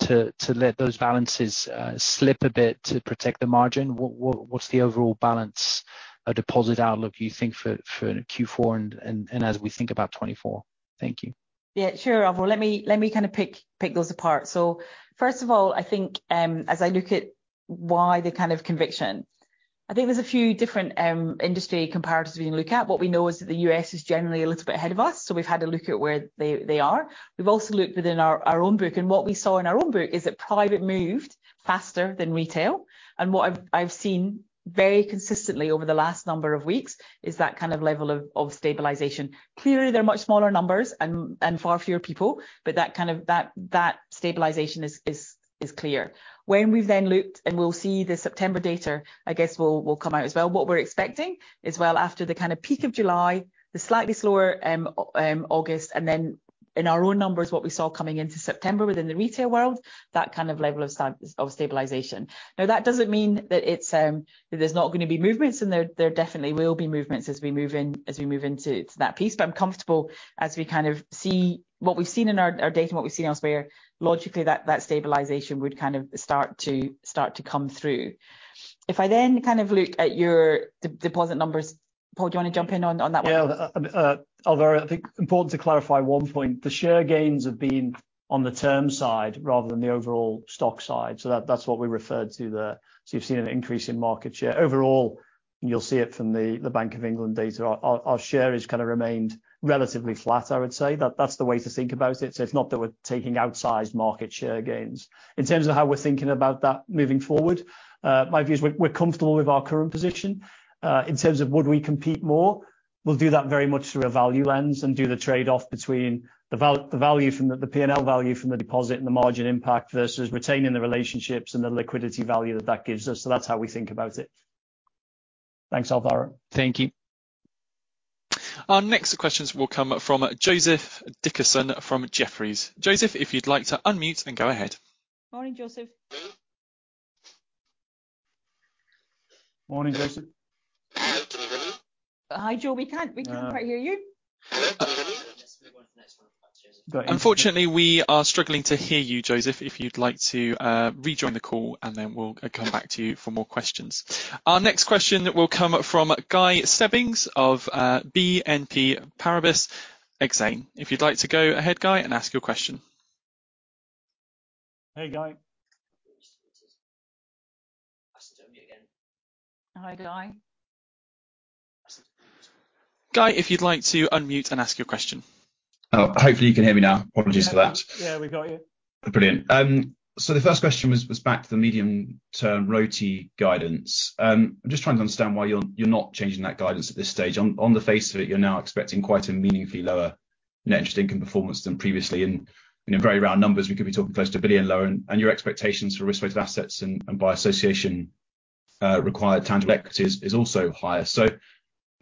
to let those balances slip a bit to protect the margin? What's the overall balance of deposit outlook you think for Q4 and as we think about 2024? Thank you. Yeah, sure, Alvaro. Let me kind of pick those apart. So first of all, I think, as I look at why the kind of conviction. I think there's a few different industry comparators we can look at. What we know is that the U.S. is generally a little bit ahead of us, so we've had a look at where they are. We've also looked within our own book, and what we saw in our own book is that private moved faster than retail, and what I've seen very consistently over the last number of weeks, is that kind of level of stabilization. Clearly, they're much smaller numbers and far fewer people, but that kind of, that stabilization is clear. When we've then looked, and we'll see the September data, I guess will come out as well. What we're expecting is, well, after the kind of peak of July, the slightly slower August, and then in our own numbers, what we saw coming into September within the retail world, that kind of level of stabilization. Now, that doesn't mean that it's that there's not gonna be movements, and there definitely will be movements as we move into that piece. But I'm comfortable as we kind of see what we've seen in our data and what we've seen elsewhere, logically, that stabilization would kind of start to come through. If I then kind of look at your deposit numbers, Paul, do you want to jump in on that one? Yeah, although I think important to clarify one point, the share gains have been on the term side rather than the overall stock side, so that's what we referred to there. So you've seen an increase in market share. Overall, you'll see it from the Bank of England data. Our share has kind of remained relatively flat, I would say. That's the way to think about it. So it's not that we're taking outsized market share gains. In terms of how we're thinking about that moving forward, my view is we're comfortable with our current position. In terms of would we compete more, we'll do that very much through a value lens and do the trade-off between the value from the... The P&L value from the deposit and the margin impact versus retaining the relationships and the liquidity value that that gives us. So that's how we think about it. Thanks, Alvaro. Thank you. Our next questions will come from Joseph Dickerson from Jefferies. Joseph, if you'd like to unmute and go ahead. Morning, Joseph. Morning, Joseph. Hi, Joseph. We can't- No. We can't quite hear you. Let's move on to the next one. Thanks, Joseph. Unfortunately, we are struggling to hear you, Joseph. If you'd like to rejoin the call, and then we'll come back to you for more questions. Our next question will come from Guy Stebbings of BNP Paribas Exane. If you'd like to go ahead, Guy, and ask your question. Hey, Guy.... Again. Hi, Guy. Guy, if you'd like to unmute and ask your question. Oh, hopefully you can hear me now. Apologies for that. Yeah, we got you. Brilliant. So the first question was back to the medium-term ROTE guidance. I'm just trying to understand why you're not changing that guidance at this stage. On the face of it, you're now expecting quite a meaningfully lower net interest income performance than previously, and in very round numbers, we could be talking close to 1 billion lower, and your expectations for risk-weighted assets and by association required tangible equity is also higher. So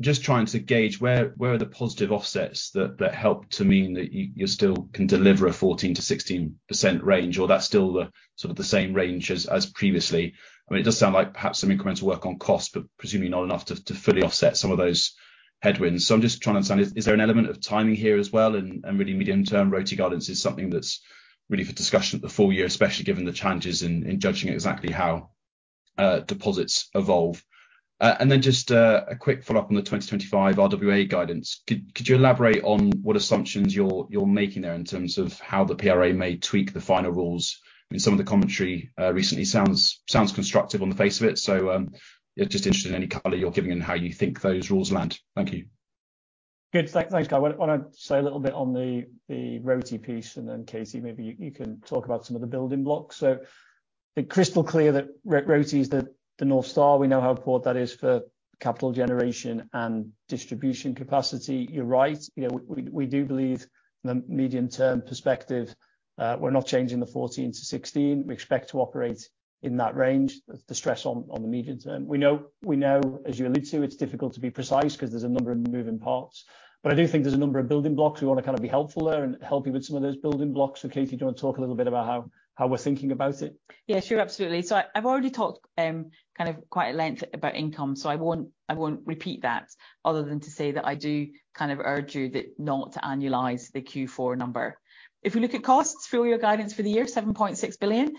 just trying to gauge where the positive offsets that help to mean that you still can deliver a 14%-16% range, or that's still the sort of the same range as previously? I mean, it does sound like perhaps some incremental work on cost, but presumably not enough to fully offset some of those headwinds. So I'm just trying to understand, is there an element of timing here as well? And really medium-term ROTE guidance is something that's really for discussion at the full year, especially given the challenges in judging exactly how deposits evolve. And then just a quick follow-up on the 2025 RWA guidance. Could you elaborate on what assumptions you're making there in terms of how the PRA may tweak the final rules? I mean, some of the commentary recently sounds constructive on the face of it, so yeah, just interested in any color you're giving and how you think those rules land. Thank you. Good. Thanks, Guy. I wanna say a little bit on the, the ROTE piece, and then, Katie, maybe you can talk about some of the building blocks. So it's crystal clear that R-ROTE is the, the North Star. We know how important that is for capital generation and distribution capacity. You're right. You know, we do believe in the medium-term perspective, we're not changing the 14-16. We expect to operate in that range, the stress on the medium term. We know, as you allude to, it's difficult to be precise 'cause there's a number of moving parts. But I do think there's a number of building blocks. We want to kind of be helpful there and help you with some of those building blocks. So, Katie, do you want to talk a little bit about how we're thinking about it? Yeah, sure, absolutely. So I, I've already talked, kind of quite at length about income, so I won't, I won't repeat that, other than to say that I do kind of urge you that, not to annualize the Q4 number. If we look at costs, full-year guidance for the year, 7.6 billion,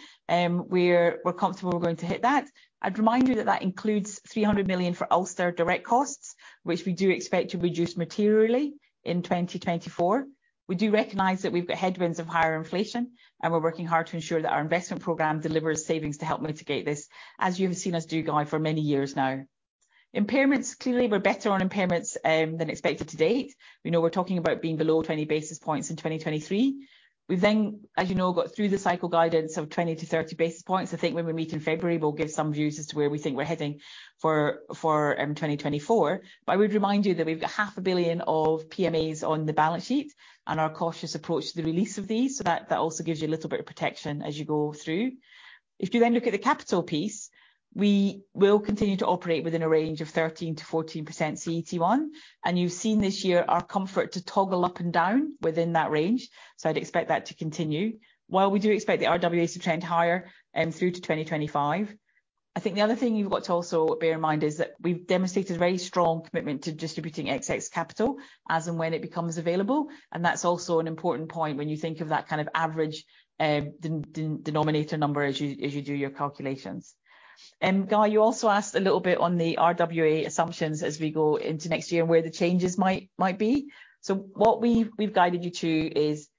we're comfortable we're going to hit that. I'd remind you that that includes 300 million for Ulster direct costs, which we do expect to reduce materially in 2024. We do recognize that we've got headwinds of higher inflation, and we're working hard to ensure that our investment program delivers savings to help mitigate this, as you have seen us do, Guy, for many years now. Impairments, clearly, we're better on impairments, than expected to date. We know we're talking about being below 20 basis points in 2023. We've then, as you know, got through the cycle guidance of 20-30 basis points. I think when we meet in February, we'll give some views as to where we think we're heading for 2024. But I would remind you that we've got 500 million of PMAs on the balance sheet and our cautious approach to the release of these, so that also gives you a little bit of protection as you go through. If you then look at the capital piece, we will continue to operate within a range of 13%-14% CET1, and you've seen this year our comfort to toggle up and down within that range, so I'd expect that to continue. While we do expect the RWA to trend higher through to 2025, I think the other thing you've got to also bear in mind is that we've demonstrated very strong commitment to distributing excess capital as and when it becomes available, and that's also an important point when you think of that kind of average denominator number as you, as you do your calculations. Guy, you also asked a little bit on the RWA assumptions as we go into next year and where the changes might be. So what we've guided you to is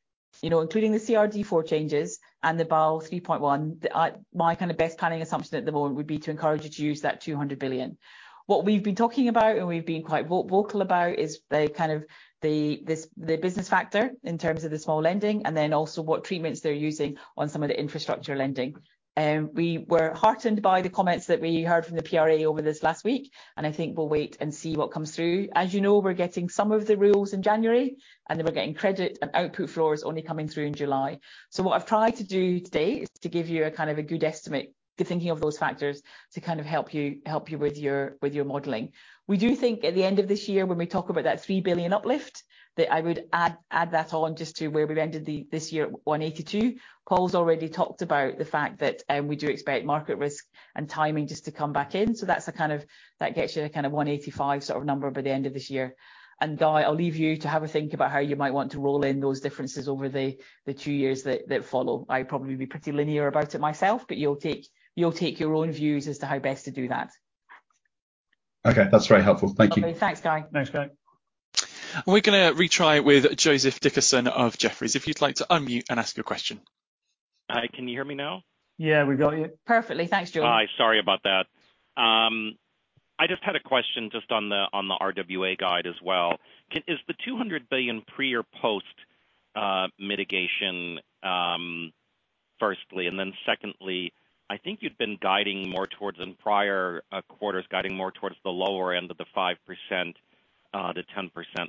you know, including the CRD4 changes and the Basel 3.1, the my kind of best planning assumption at the moment would be to encourage you to use that 200 billion. What we've been talking about, and we've been quite vocal about, is the kind of the business factor in terms of the small lending, and then also what treatments they're using on some of the infrastructure lending. We were heartened by the comments that we heard from the PRA over this last week, and I think we'll wait and see what comes through. As you know, we're getting some of the rules in January, and then we're getting credit and output floors only coming through in July. So what I've tried to do today is to give you a kind of a good estimate, the thinking of those factors, to kind of help you, help you with your, with your modeling. We do think at the end of this year, when we talk about that 3 billion uplift, that I would add, add that on just to where we've ended this year at 182. Paul's already talked about the fact that we do expect market risk and timing just to come back in. That's a kind of—that gets you to kind of 185 sort of number by the end of this year. Guy, I'll leave you to have a think about how you might want to roll in those differences over the two years that follow. I'd probably be pretty linear about it myself, but you'll take, you'll take your own views as to how best to do that. Okay, that's very helpful. Thank you. Okay. Thanks, Guy. Thanks, Guy. We're gonna retry with Joseph Dickerson of Jefferies. If you'd like to unmute and ask your question. Hi, can you hear me now? Yeah, we've got you. Perfectly. Thanks, Joseph. Hi, sorry about that. I just had a question just on the RWA guide as well. Is the 200 billion pre or post mitigation, firstly? And then secondly, I think you've been guiding more towards in prior quarters, guiding more towards the lower end of the 5%-10%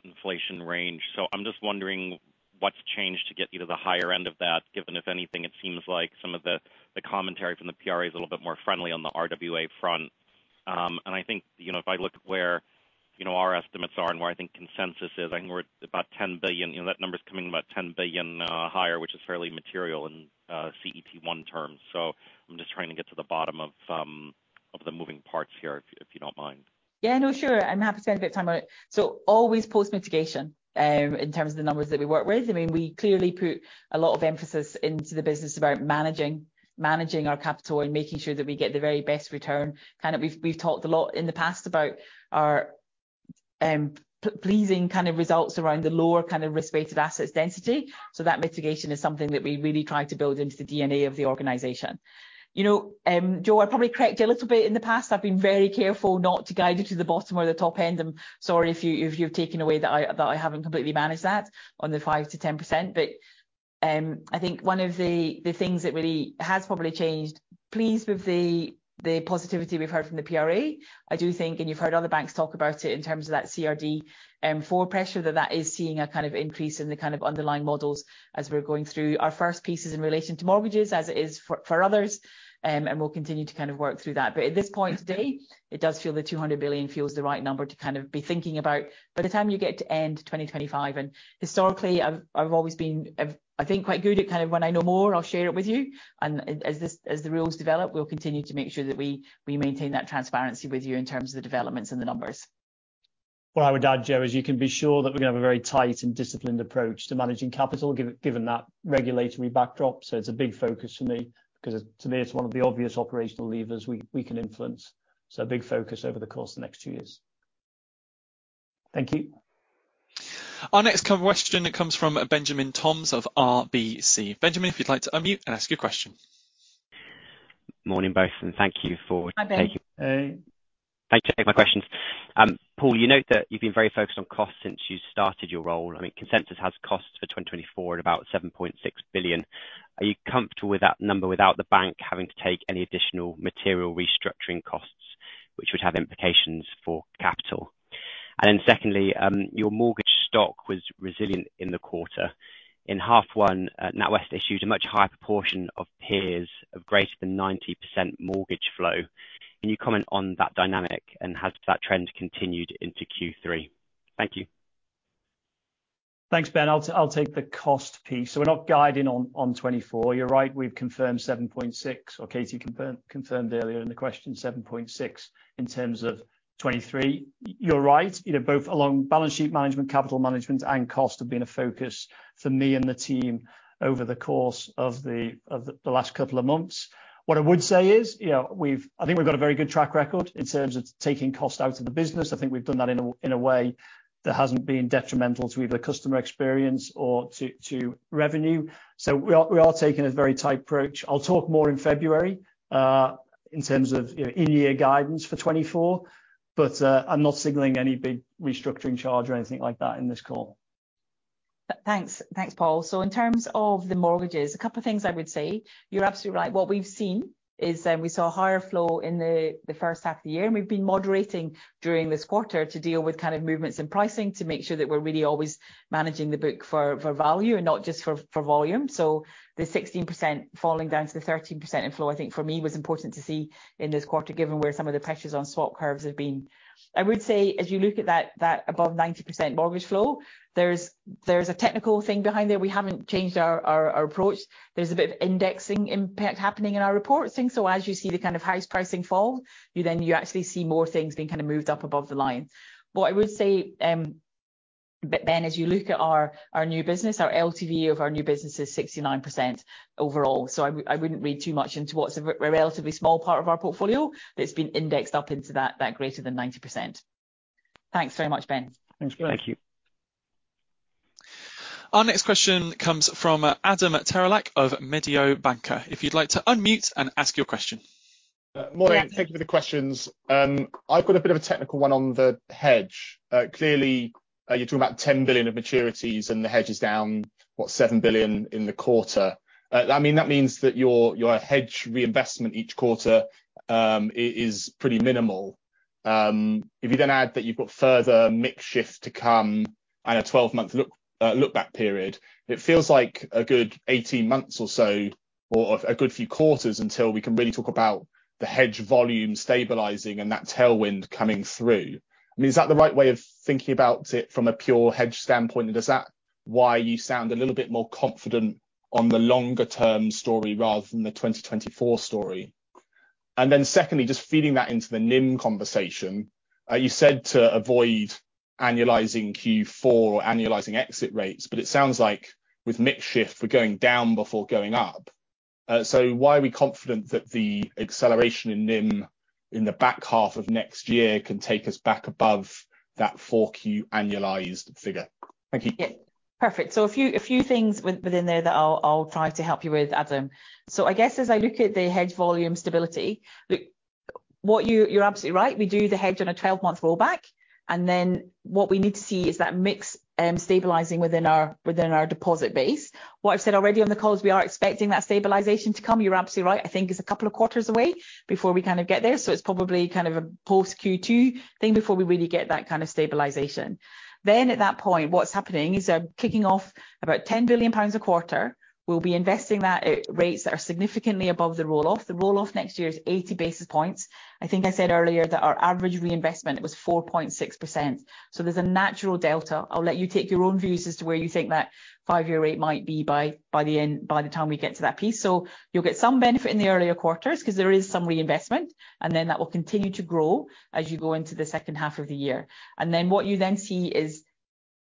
inflation range. So I'm just wondering what's changed to get you to the higher end of that, given, if anything, it seems like some of the commentary from the PRA is a little bit more friendly on the RWA front. And I think, you know, if I look at where, you know, our estimates are and where I think consensus is, I think we're about 10 billion, you know, that number is coming about 10 billion higher, which is fairly material in CET1 terms. I'm just trying to get to the bottom of the moving parts here, if you don't mind. Yeah, no, sure. I'm happy to spend a bit of time on it. So always post-mitigation, in terms of the numbers that we work with. I mean, we clearly put a lot of emphasis into the business about managing, managing our capital and making sure that we get the very best return. Kind of we've, we've talked a lot in the past about our, pleasing kind of results around the lower kind of risk-weighted assets density. So that mitigation is something that we really try to build into the DNA of the organization. You know, Joe, I probably corrected you a little bit in the past. I've been very careful not to guide you to the bottom or the top end. I'm sorry if you, if you've taken away that I, that I haven't completely managed that on the 5%-10%. But I think one of the things that really has probably changed. Pleased with the positivity we've heard from the PRA. I do think, and you've heard other banks talk about it in terms of that CRD IV pressure, that is seeing a kind of increase in the kind of underlying models as we're going through our first pieces in relation to mortgages as it is for others. We'll continue to kind of work through that. But at this point today, it does feel the 200 billion feels the right number to kind of be thinking about by the time you get to end 2025. Historically, I've always been, I think, quite good at kind of when I know more, I'll share it with you. As the rules develop, we'll continue to make sure that we maintain that transparency with you in terms of the developments and the numbers. What I would add, Joe, is you can be sure that we're going to have a very tight and disciplined approach to managing capital, given that regulatory backdrop. So it's a big focus for me because to me, it's one of the obvious operational levers we can influence. So a big focus over the course of the next two years. Thank you. Our next question comes from Benjamin Toms of RBC. Benjamin, if you'd like to unmute and ask your question. Morning, both, and thank you for- Hi, Ben. Hey. Thank you for taking my questions. Paul, you note that you've been very focused on costs since you started your role. I mean, consensus has costs for 2024 at about 7.6 billion. Are you comfortable with that number without the bank having to take any additional material restructuring costs, which would have implications for capital? And then secondly, your mortgage stock was resilient in the quarter. In half one, NatWest issued a much higher proportion of peers of greater than 90% mortgage flow. Can you comment on that dynamic, and has that trend continued into Q3? Thank you. Thanks, Ben. I'll take the cost piece. So we're not guiding on 2024. You're right, we've confirmed 7.6, or Katie confirmed earlier in the question, 7.6 in terms of 2023. You're right, you know, both along balance sheet management, capital management, and cost have been a focus for me and the team over the course of the last couple of months. What I would say is, you know, we've... I think we've got a very good track record in terms of taking cost out of the business. I think we've done that in a way that hasn't been detrimental to either customer experience or to revenue. So we are taking a very tight approach. I'll talk more in February in terms of, you know, in-year guidance for 2024, but I'm not signaling any big restructuring charge or anything like that in this call. Thanks. Thanks, Paul. So in terms of the mortgages, a couple of things I would say. You're absolutely right. What we've seen is, we saw a higher flow in the first half of the year, and we've been moderating during this quarter to deal with kind of movements in pricing to make sure that we're really always managing the book for value and not just for volume. So the 16% falling down to the 13% in flow, I think, for me, was important to see in this quarter, given where some of the pressures on swap curves have been. I would say, as you look at that above 90% mortgage flow, there's a technical thing behind there. We haven't changed our approach. There's a bit of indexing impact happening in our reporting. So as you see the kind of highest pricing fall, you then, you actually see more things being kind of moved up above the line. What I would say, Ben, as you look at our new business, our LTV of our new business is 69% overall. So I wouldn't read too much into what's a relatively small part of our portfolio that's been indexed up into that greater than 90%. Thanks very much, Ben. Thanks. Thank you. Our next question comes from Adam Terelak of Mediobanca. If you'd like to unmute and ask your question. Morning. Thank you for the questions. I've got a bit of a technical one on the hedge. Clearly, you're talking about 10 billion of maturities, and the hedge is down, what? 7 billion in the quarter. I mean, that means that your hedge reinvestment each quarter is pretty minimal. If you then add that you've got further mix shift to come and a 12-month look-back period, it feels like a good 18 months or so, or a good few quarters until we can really talk about the hedge volume stabilizing and that tailwind coming through. I mean, is that the right way of thinking about it from a pure hedge standpoint, and is that why you sound a little bit more confident on the longer-term story rather than the 2024 story? And then secondly, just feeding that into the NIM conversation, you said to avoid annualizing Q4 or annualizing exit rates, but it sounds like with mix shift, we're going down before going up. So why are we confident that the acceleration in NIM in the back half of next year can take us back above that 4Q annualized figure? Thank you. Yeah. Perfect. So a few things within there that I'll try to help you with, Adam. So I guess as I look at the hedge volume stability, look, what you're absolutely right, we do the hedge on a 12-month rollback, and then what we need to see is that mix stabilizing within our deposit base. What I've said already on the call is we are expecting that stabilization to come. You're absolutely right. I think it's a couple of quarters away before we kind of get there, so it's probably kind of a post-Q2 thing before we really get that kind of stabilization. Then, at that point, what's happening is I'm kicking off about 10 billion pounds a quarter. We'll be investing that at rates that are significantly above the roll-off. The roll-off next year is 80 basis points. I think I said earlier that our average reinvestment was 4.6%, so there's a natural delta. I'll let you take your own views as to where you think that five-year rate might be by, by the end, by the time we get to that piece. So you'll get some benefit in the earlier quarters 'cause there is some reinvestment, and then that will continue to grow as you go into the second half of the year. And then what you then see is,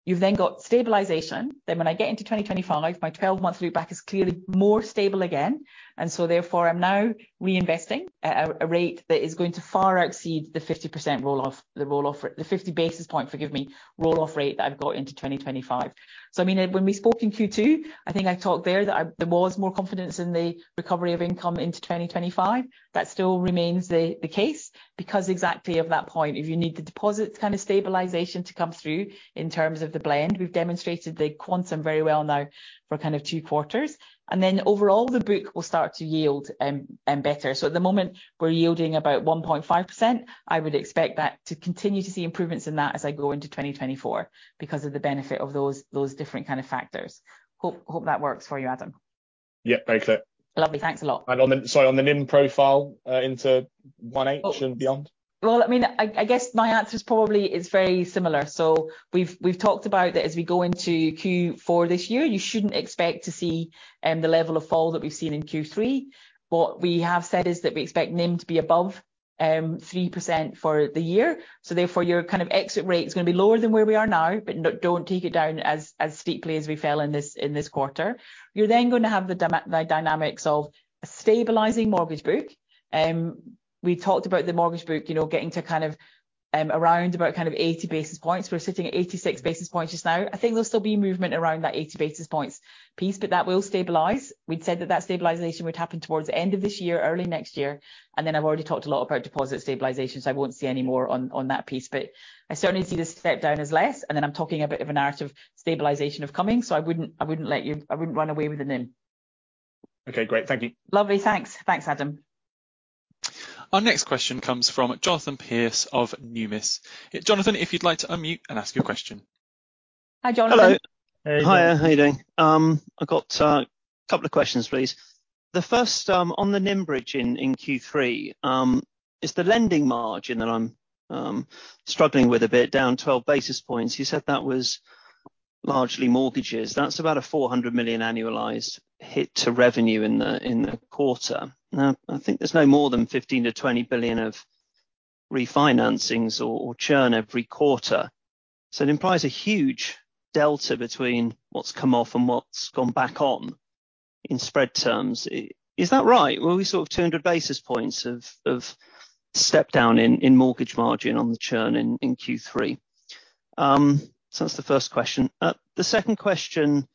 you've then got stabilization. Then when I get into 2025, my 12-month look-back is clearly more stable again, and so therefore, I'm now reinvesting at a, a rate that is going to far exceed the fifty percent roll-off, the roll-off... the fifty basis point, forgive me, roll-off rate that I've got into 2025. So, I mean, when we spoke in Q2, I think I talked there that there was more confidence in the recovery of income into 2025. That still remains the case, because exactly of that point, if you need the deposits kind of stabilization to come through in terms of the blend, we've demonstrated the quantum very well now for kind of two quarters. And then overall, the book will start to yield better. So at the moment, we're yielding about 1.5%. I would expect that to continue to see improvements in that as I go into 2024 because of the benefit of those different kind of factors. Hope that works for you, Adam. Yeah, very clear. Lovely. Thanks a lot. On the, sorry, on the NIM profile, into 1H and beyond? Well, I mean, I guess my answer is probably it's very similar. So we've talked about that as we go into Q4 this year, you shouldn't expect to see the level of fall that we've seen in Q3. What we have said is that we expect NIM to be above 3% for the year. So therefore, your kind of exit rate is going to be lower than where we are now, but don't take it down as steeply as we fell in this quarter. You're then going to have the dynamics of a stabilizing mortgage book. We talked about the mortgage book, you know, getting to kind of around about kind of 80 basis points. We're sitting at 86 basis points just now. I think there'll still be movement around that 80 basis points piece, but that will stabilize. We'd said that that stabilization would happen towards the end of this year, early next year, and then I've already talked a lot about deposit stabilization, so I won't say any more on, on that piece. But I certainly see the step down as less, and then I'm talking a bit of a narrative stabilization of coming, so I wouldn't, I wouldn't let you—I wouldn't run away with the NIM. Okay, great. Thank you. Lovely. Thanks. Thanks, Adam. Our next question comes from Jonathan Pierce of Numis. Jonathan, if you'd like to unmute and ask your questionieHi, Jonathan. Hello. Hey. Hi, how you doing? I've got a couple of questions, please. The first, on the NIM bridge in Q3, is the lending margin, and I'm struggling with a bit, down 12 basis points. You said that was largely mortgages. That's about a 400 million annualized hit to revenue in the quarter. Now, I think there's no more than 15 billion-20 billion of refinancings or churn every quarter, so it implies a huge delta between what's come off and what's gone back on in spread terms. Is that right? Were we sort of 200 basis points of step down in mortgage margin on the churn in Q3? So that's the first question. The second question,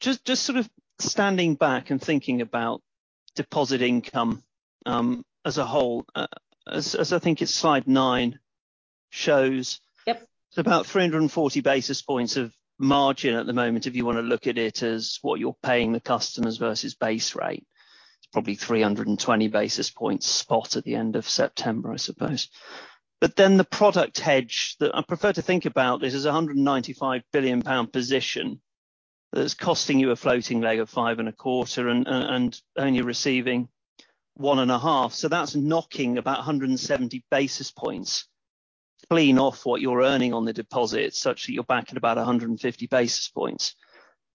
just sort of standing back and thinking about deposit income, as a whole, as I think it's slide nine shows. Yep. So about 340 basis points of margin at the moment, if you want to look at it as what you're paying the customers versus base rate. It's probably 320 basis points spot at the end of September, I suppose. But then the product hedge that I prefer to think about this is a 195 billion pound position that's costing you a floating leg of 5.25 and only receiving 1.5. So that's knocking about 170 basis points clean off what you're earning on the deposit, such that you're back at about 150 basis points,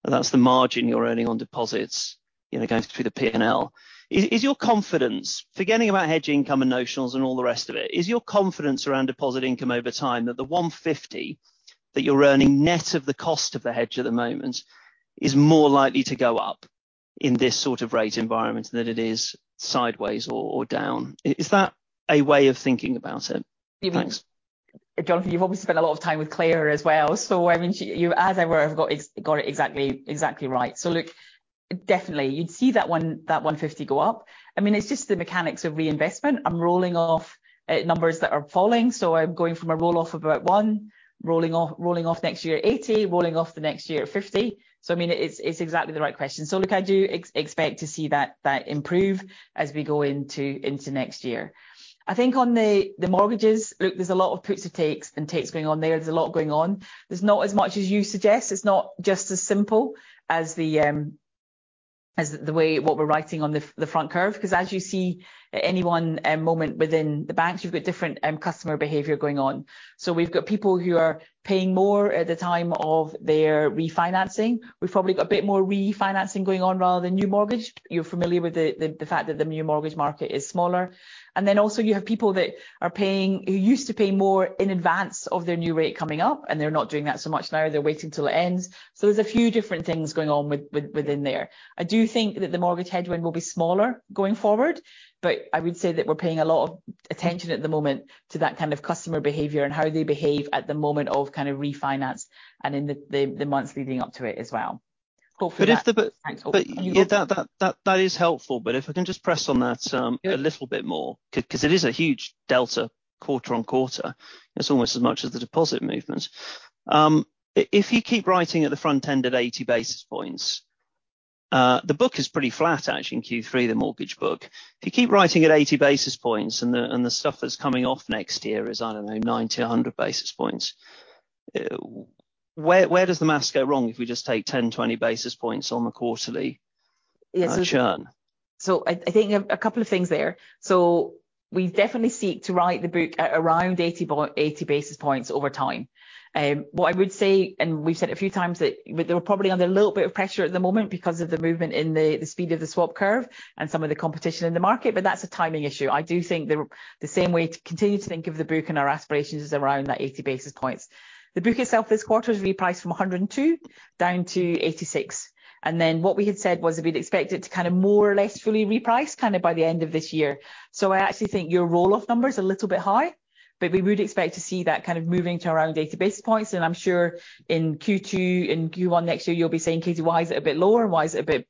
and that's the margin you're earning on deposits, you know, going through the P&L. Is your confidence, forgetting about hedge income and notionals and all the rest of it, around deposit income over time, that the 150 that you're earning net of the cost of the hedge at the moment is more likely to go up?... in this sort of rate environment than it is sideways or down. Is that a way of thinking about it? Thanks. Jonathan, you've obviously spent a lot of time with Claire as well, so I mean, she, you, as it were, have got it exactly right. So look, definitely, you'd see that 1, that 150 go up. I mean, it's just the mechanics of reinvestment. I'm rolling off numbers that are falling, so I'm going from a roll-off of about 1, rolling off next year 80, rolling off the next year at 50. So I mean, it's exactly the right question. So look, I do expect to see that improve as we go into next year. I think on the mortgages, look, there's a lot of puts and takes going on there. There's a lot going on. There's not as much as you suggest. It's not just as simple as the, as the way what we're writing on the, the front curve, 'cause as you see, at any one moment within the banks, you've got different customer behavior going on. So we've got people who are paying more at the time of their refinancing. We've probably got a bit more refinancing going on rather than new mortgage. You're familiar with the fact that the new mortgage market is smaller. And then, also, you have people that are paying... who used to pay more in advance of their new rate coming up, and they're not doing that so much now. They're waiting till it ends. So there's a few different things going on within there. I do think that the mortgage headwind will be smaller going forward, but I would say that we're paying a lot of attention at the moment to that kind of customer behavior and how they behave at the moment of kind of refinance and in the months leading up to it as well. Hopefully, that- But if the Thanks. But yeah, that is helpful, but if I can just press on that. Yeah... a little bit more, 'cause it is a huge delta quarter-on-quarter. It's almost as much as the deposit movements. If you keep writing at the front end at 80 basis points, the book is pretty flat actually in Q3, the mortgage book. If you keep writing at 80 basis points, and the stuff that's coming off next year is, I don't know, 90, 100 basis points, where does the math go wrong if we just take 10, 20 basis points on the quarterly- Yes, so- -on churn? So I think a couple of things there. So we definitely seek to write the book at around 80 basis points over time. What I would say, and we've said a few times, that we're probably under a little bit of pressure at the moment because of the movement in the speed of the swap curve and some of the competition in the market, but that's a timing issue. I do think the same way to continue to think of the book and our aspirations is around that 80 basis points. The book itself this quarter is repriced from 102 down to 86, and then what we had said was we'd expect it to kind of more or less fully reprice kind of by the end of this year. So I actually think your roll-off number is a little bit high, but we would expect to see that kind of moving to around 80 basis points, and I'm sure in Q2, in Q1 next year, you'll be saying, "Katie, why is it a bit lower, and why is it a bit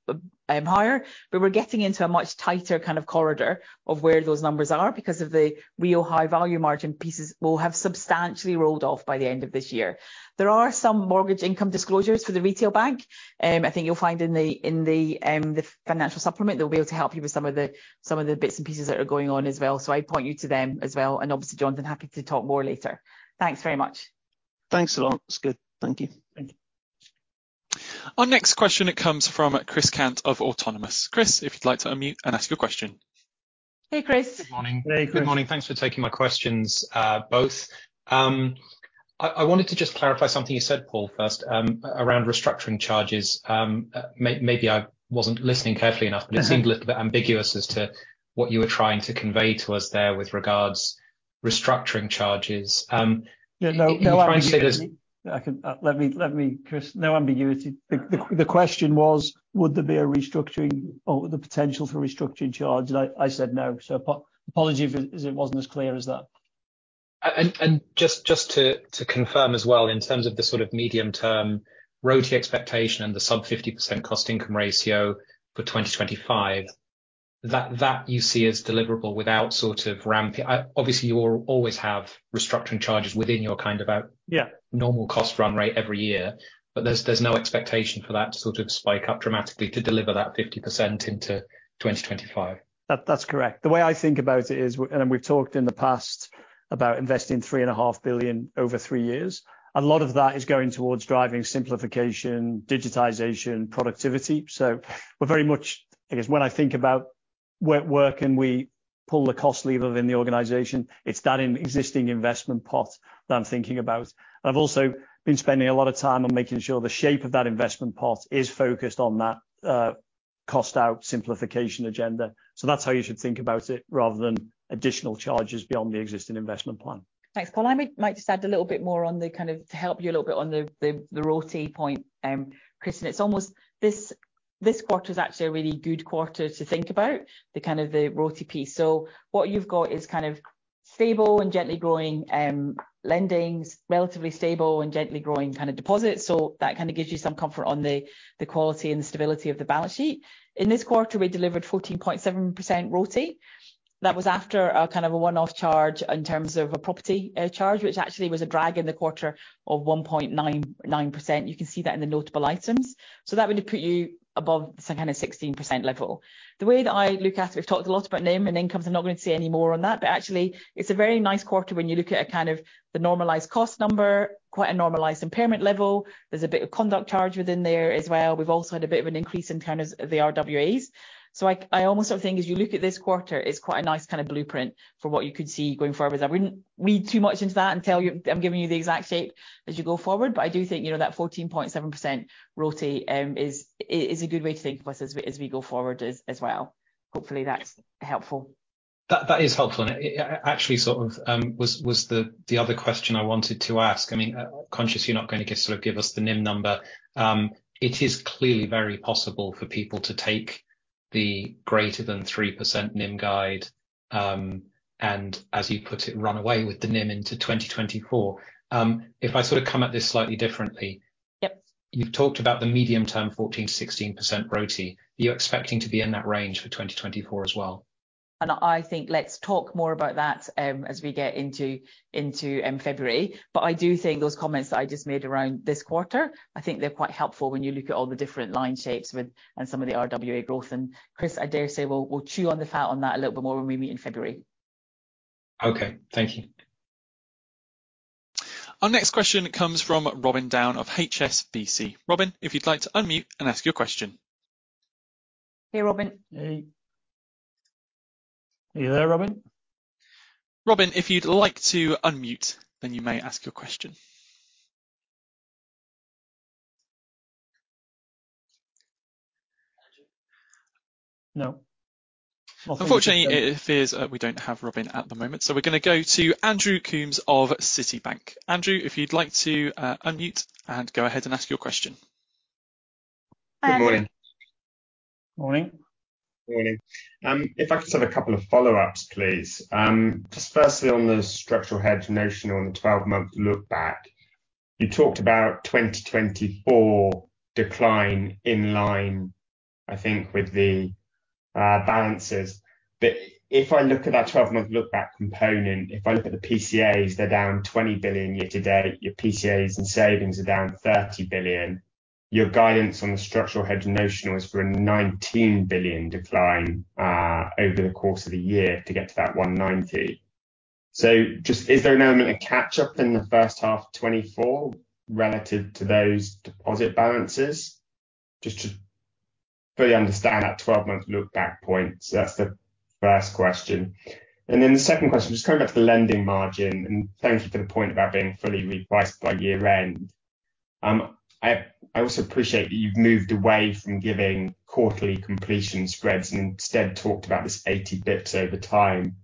higher?" But we're getting into a much tighter kind of corridor of where those numbers are because of the real high value margin pieces will have substantially rolled off by the end of this year. There are some mortgage income disclosures for the retail bank, I think you'll find in the financial supplement. They'll be able to help you with some of the bits and pieces that are going on as well. So I'd point you to them as well, and obviously, Jonathan, happy to talk more later. Thanks very much. Thanks a lot. It's good. Thank you. Thank you. Our next question, it comes from Christopher Cant of Autonomous Research. Chris, if you'd like to unmute and ask your question. Hey, Chris. Good morning. Hey, Chris. Good morning. Thanks for taking my questions, both. I wanted to just clarify something you said, Paul, first, around restructuring charges. Maybe I wasn't listening carefully enough- Mm-hmm... but it seemed a little bit ambiguous as to what you were trying to convey to us there with regards restructuring charges. You were trying to say that- Yeah, no, no ambiguity. Let me, Chris, no ambiguity. The question was, would there be a restructuring or the potential for restructuring charges? I said no, so apology if it wasn't as clear as that. And just to confirm as well, in terms of the sort of medium-term ROTE expectation and the sub-50% cost income ratio for 2025, that you see as deliverable without sort of ramping... Obviously, you'll always have restructuring charges within your kind of a- Yeah normal cost run rate every year, but there's, there's no expectation for that to sort of spike up dramatically to deliver that 50% into 2025? That, that's correct. The way I think about it is, and we've talked in the past about investing 3.5 billion over three years, a lot of that is going towards driving simplification, digitization, productivity. So we're very much... I guess, when I think about where, where can we pull the cost lever within the organization, it's that existing investment pot that I'm thinking about. I've also been spending a lot of time on making sure the shape of that investment pot is focused on that, cost-out simplification agenda. So that's how you should think about it, rather than additional charges beyond the existing investment plan. Thanks, Paul. I might just add a little bit more on the kind of to help you a little bit on the ROTE point, Chris, and it's almost this quarter's actually a really good quarter to think about the kind of the ROTE piece. So what you've got is kind of stable and gently growing lendings, relatively stable and gently growing kind of deposits, so that kind of gives you some comfort on the quality and the stability of the balance sheet. In this quarter, we delivered 14.7% ROTE. That was after a kind of a one-off charge in terms of a property charge, which actually was a drag in the quarter of 1.99%. You can see that in the notable items. So that would put you above some kind of 16% level. The way that I look at it, we've talked a lot about NIM and incomes. I'm not going to say any more on that, but actually it's a very nice quarter when you look at a kind of the normalized cost number, quite a normalized impairment level. There's a bit of conduct charge within there as well. We've also had a bit of an increase in terms of the RWAs. So I almost sort of think as you look at this quarter, it's quite a nice kind of blueprint for what you could see going forward. I wouldn't read too much into that and tell you I'm giving you the exact shape as you go forward, but I do think, you know, that 14.7% ROTE is a good way to think of us as we go forward as well. Hopefully, that's helpful.... That is helpful, and it actually sort of was the other question I wanted to ask. I mean, conscious you're not going to give— sort of give us the NIM number. It is clearly very possible for people to take the greater than 3% NIM guide, and as you put it, run away with the NIM into 2024. If I sort of come at this slightly differently- Yep. -You've talked about the medium-term 14%-16% ROTE. Are you expecting to be in that range for 2024 as well? I think let's talk more about that as we get into February. But I do think those comments that I just made around this quarter, I think they're quite helpful when you look at all the different line shapes with and some of the RWA growth. And, Chris, I dare say we'll chew on the fat on that a little bit more when we meet in February. Okay. Thank you. Our next question comes from Robin Down of HSBC. Robin, if you'd like to unmute and ask your question. Hey, Robin. Hey. Are you there, Robin? Robin, if you'd like to unmute, then you may ask your question. Andrew? No. Unfortunately, it appears that we don't have Robin at the moment, so we're going to go to Andrew Coombs of Citi. Andrew, if you'd like to unmute and go ahead and ask your question. Good morning. Morning. Morning. If I could just have a couple of follow-ups, please. Just firstly, on the structural hedge notion on the 12-month look-back, you talked about 2024 decline in line, I think, with the, balances. But if I look at that 12-month look-back component, if I look at the PCAs, they're down 20 billion year to date. Your PCAs and savings are down 30 billion. Your guidance on the structural hedge notional is for a 19 billion decline, over the course of the year to get to that 190. So just... Is there an element of catch-up in the first half of 2024 relative to those deposit balances? Just to fully understand that 12-month look-back point. So that's the first question. Then the second question, just going back to the lending margin, and thank you for the point about being fully repriced by year end. I also appreciate that you've moved away from giving quarterly completion spreads and instead talked about this 80 basis points over time.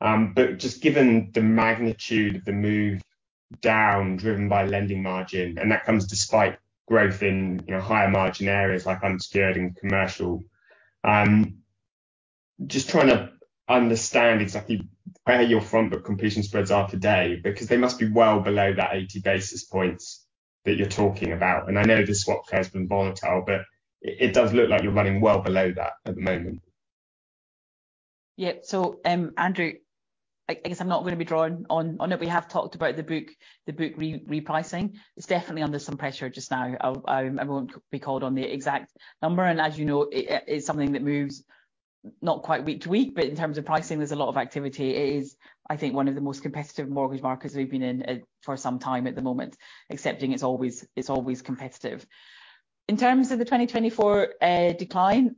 But just given the magnitude of the move down, driven by lending margin, and that comes despite growth in, you know, higher margin areas like unsecured and commercial, just trying to understand exactly where your front book completion spreads are today, because they must be well below that 80 basis points that you're talking about. I know the swap curve has been volatile, but it does look like you're running well below that at the moment. Yeah. So, Andrew, I guess I'm not going to be drawn on it. We have talked about the book, the book repricing. It's definitely under some pressure just now. I won't be called on the exact number, and as you know, it's something that moves not quite week to week, but in terms of pricing, there's a lot of activity. It is, I think, one of the most competitive mortgage markets we've been in for some time at the moment, excepting it's always, it's always competitive. In terms of the 2024 decline,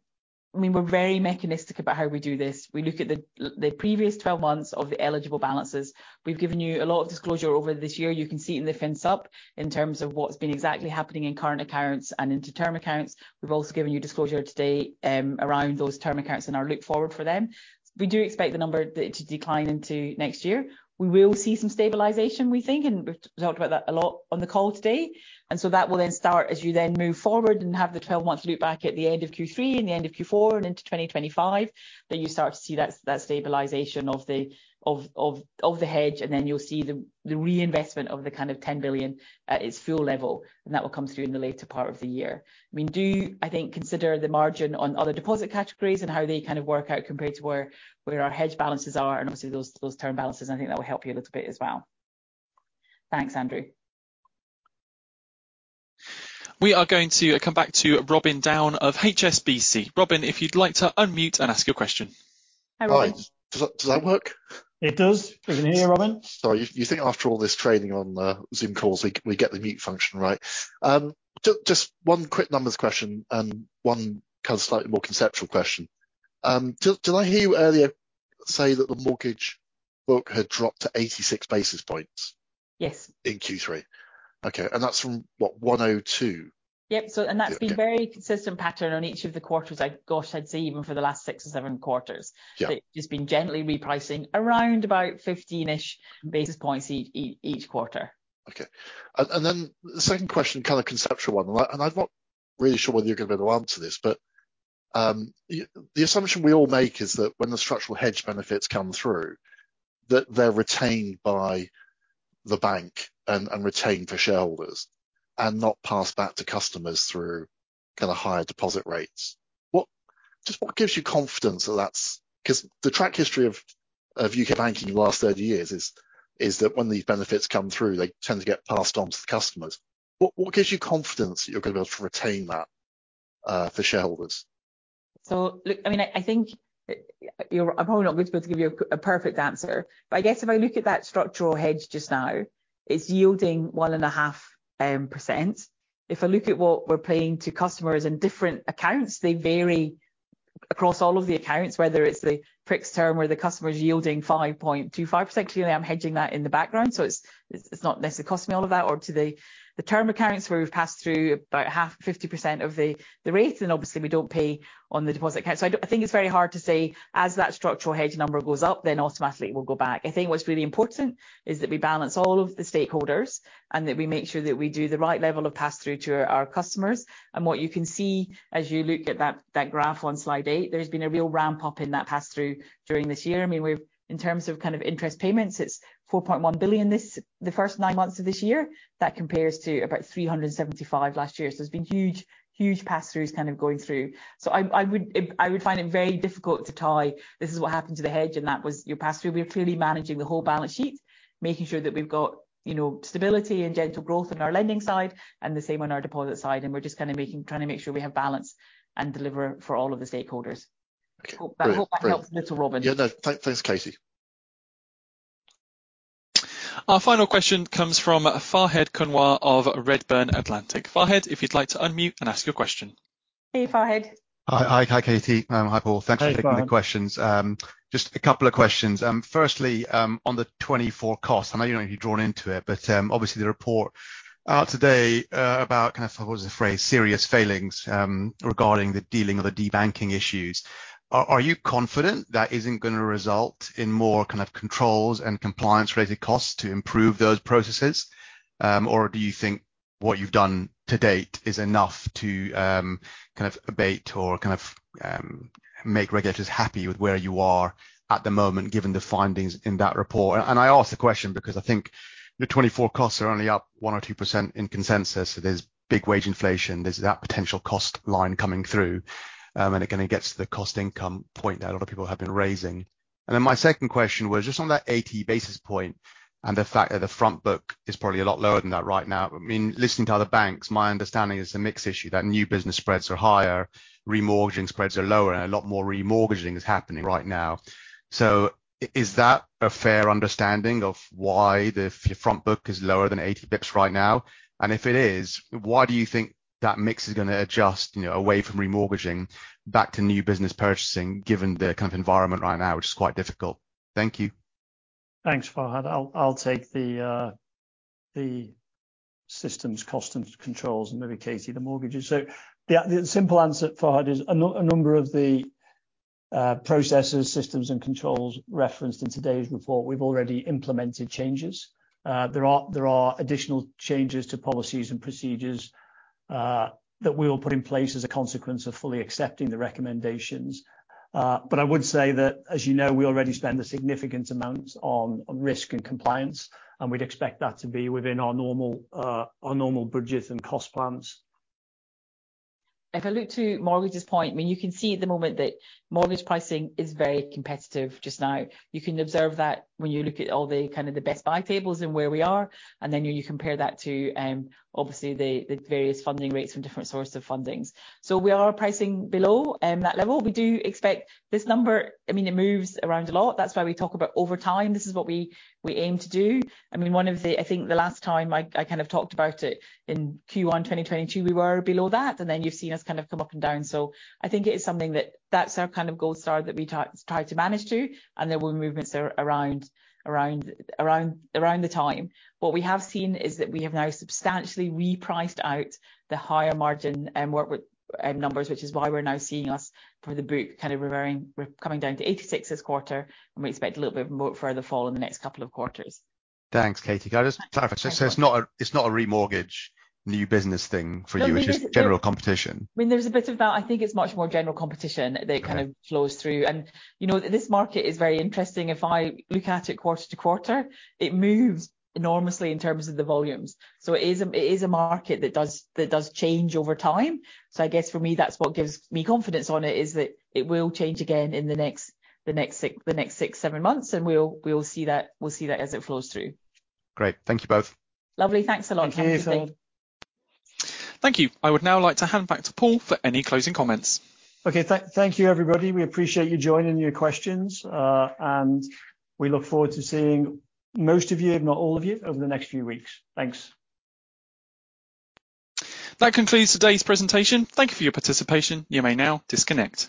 I mean, we're very mechanistic about how we do this. We look at the previous 12 months of the eligible balances. We've given you a lot of disclosure over this year. You can see it in the fin sup in terms of what's been exactly happening in current accounts and into term accounts. We've also given you disclosure today around those term accounts and our look forward for them. We do expect the number to decline into next year. We will see some stabilization, we think, and we've talked about that a lot on the call today, and so that will then start as you then move forward and have the twelve-month look-back at the end of Q3 and the end of Q4 and into 2025, then you start to see that stabilization of the hedge, and then you'll see the reinvestment of the kind of 10 billion at its full level, and that will come through in the later part of the year. I mean, I think, consider the margin on other deposit categories and how they kind of work out compared to where our hedge balances are and obviously those term balances. I think that will help you a little bit as well. Thanks, Andrew. We are going to come back to Robin Down of HSBC. Robin, if you'd like to unmute and ask your question. Hi, Robin. Hi. Does that work? It does. We can hear you, Robin. Sorry. You think after all this training on Zoom calls, we get the mute function right. Just one quick numbers question and one kind of slightly more conceptual question. Did I hear you earlier say that the mortgage book had dropped to 86 basis points? Yes... in Q3? Okay, and that's from, what, 102? Yep, so that's- Yeah. been a very consistent pattern on each of the quarters. I gosh, I'd say even for the last six or seven quarters. Yeah. So it's just been gently repricing around about 15-ish basis points each quarter. Okay, and then the second question, kind of conceptual one, and I, and I'm not really sure whether you're going to be able to answer this, but the assumption we all make is that when the structural hedge benefits come through, that they're retained by the bank and, and retained for shareholders and not passed back to customers through kind of higher deposit rates. What... Just what gives you confidence that's 'cause the track history of UK banking in the last 30 years is that when these benefits come through, they tend to get passed on to the customers. What gives you confidence that you're going to be able to retain that for shareholders? So look, I mean, I think you're... I'm probably not going to be able to give you a perfect answer. But I guess if I look at that structural hedge just now, it's yielding 1.5%. If I look at what we're paying to customers in different accounts, they vary across all of the accounts, whether it's the fixed term where the customer is yielding 5.25%, clearly I'm hedging that in the background, so it's not necessarily costing me all of that or to the term accounts where we've passed through about half, 50% of the rates, and obviously we don't pay on the deposit account. So I think it's very hard to say as that structural hedge number goes up, then automatically it will go back. I think what's really important is that we balance all of the stakeholders, and that we make sure that we do the right level of pass-through to our customers. What you can see as you look at that graph on slide 8, there's been a real ramp-up in that pass-through during this year. I mean, we've in terms of kind of interest payments, it's 4.1 billion in the first nine months of this year. That compares to about 375 million last year. So there's been huge, huge pass-throughs kind of going through. So I would find it very difficult to tie this is what happened to the hedge, and that was your pass-through. We are clearly managing the whole balance sheet, making sure that we've got, you know, stability and gentle growth on our lending side and the same on our deposit side, and we're just kind of trying to make sure we have balance and deliver for all of the stakeholders. Okay, great. I hope that helps a little, Robin. Yeah, no. Thanks, Katie. Our final question comes from Fahed Kunwar of Redburn Atlantic. Fahed, if you'd like to unmute and ask your question. Hey, Farhed. Hi, hi, Katie. Hi, Paul. Hi, Farhed. Thanks for taking the questions. Just a couple of questions. Firstly, on the 2024 costs, I know you don't want to be drawn into it, but, obviously, the report out today, about kind of, what was the phrase? Serious failings, regarding the dealing of the debanking issues. Are you confident that isn't gonna result in more kind of controls and compliance-related costs to improve those processes? Or do you think what you've done to date is enough to, kind of abate or kind of, make regulators happy with where you are at the moment, given the findings in that report? And I ask the question because I think your 2024 costs are only up 1% or 2% in consensus. There's big wage inflation, there's that potential cost line coming through. And it kind of gets to the cost income point that a lot of people have been raising. And then my second question was just on that 80 basis points and the fact that the front book is probably a lot lower than that right now. I mean, listening to other banks, my understanding is the mix issue, that new business spreads are higher, remortgaging spreads are lower, and a lot more remortgaging is happening right now. So is that a fair understanding of why the, your front book is lower than 80 basis points right now? And if it is, why do you think that mix is gonna adjust, you know, away from remortgaging back to new business purchasing, given the kind of environment right now, which is quite difficult? Thank you. Thanks, Farhed. I'll take the systems, costs, and controls, and maybe Katie, the mortgages. So the simple answer, Farhed, is a number of the processes, systems, and controls referenced in today's report, we've already implemented changes. There are additional changes to policies and procedures that we will put in place as a consequence of fully accepting the recommendations. But I would say that, as you know, we already spend a significant amount on risk and compliance, and we'd expect that to be within our normal budgets and cost plans. If I look to mortgages point, I mean, you can see at the moment that mortgage pricing is very competitive just now. You can observe that when you look at all the kind of the best buy tables and where we are, and then you compare that to, obviously, the various funding rates from different sources of fundings. So we are pricing below that level. We do expect this number... I mean, it moves around a lot. That's why we talk about over time, this is what we aim to do. I mean, one of the, I think the last time I kind of talked about it in Q1 2022, we were below that, and then you've seen us kind of come up and down. So I think it is something that that's our kind of gold star that we try to manage to, and there will be movements around the time. What we have seen is that we have now substantially repriced out the higher margin and work with numbers, which is why we're now seeing LDR for the book kind of we're coming down to 86 this quarter, and we expect a little bit more further fall in the next couple of quarters. Thanks, Katie. Can I just clarify? So it's not a remortgage new business thing for you- No, I mean, there's- It's just general competition. I mean, there's a bit of that. I think it's much more general competition- Right... that kind of flows through. You know, this market is very interesting. If I look at it quarter to quarter, it moves enormously in terms of the volumes. So it is a market that does change over time. So I guess for me, that's what gives me confidence on it, is that it will change again in the next six, seven months, and we'll see that as it flows through. Great. Thank you both. Lovely. Thanks a lot. Thank you. Thank you. I would now like to hand back to Paul for any closing comments. Okay, thank you, everybody. We appreciate you joining and your questions, and we look forward to seeing most of you, if not all of you, over the next few weeks. Thanks. That concludes today's presentation. Thank you for your participation. You may now disconnect.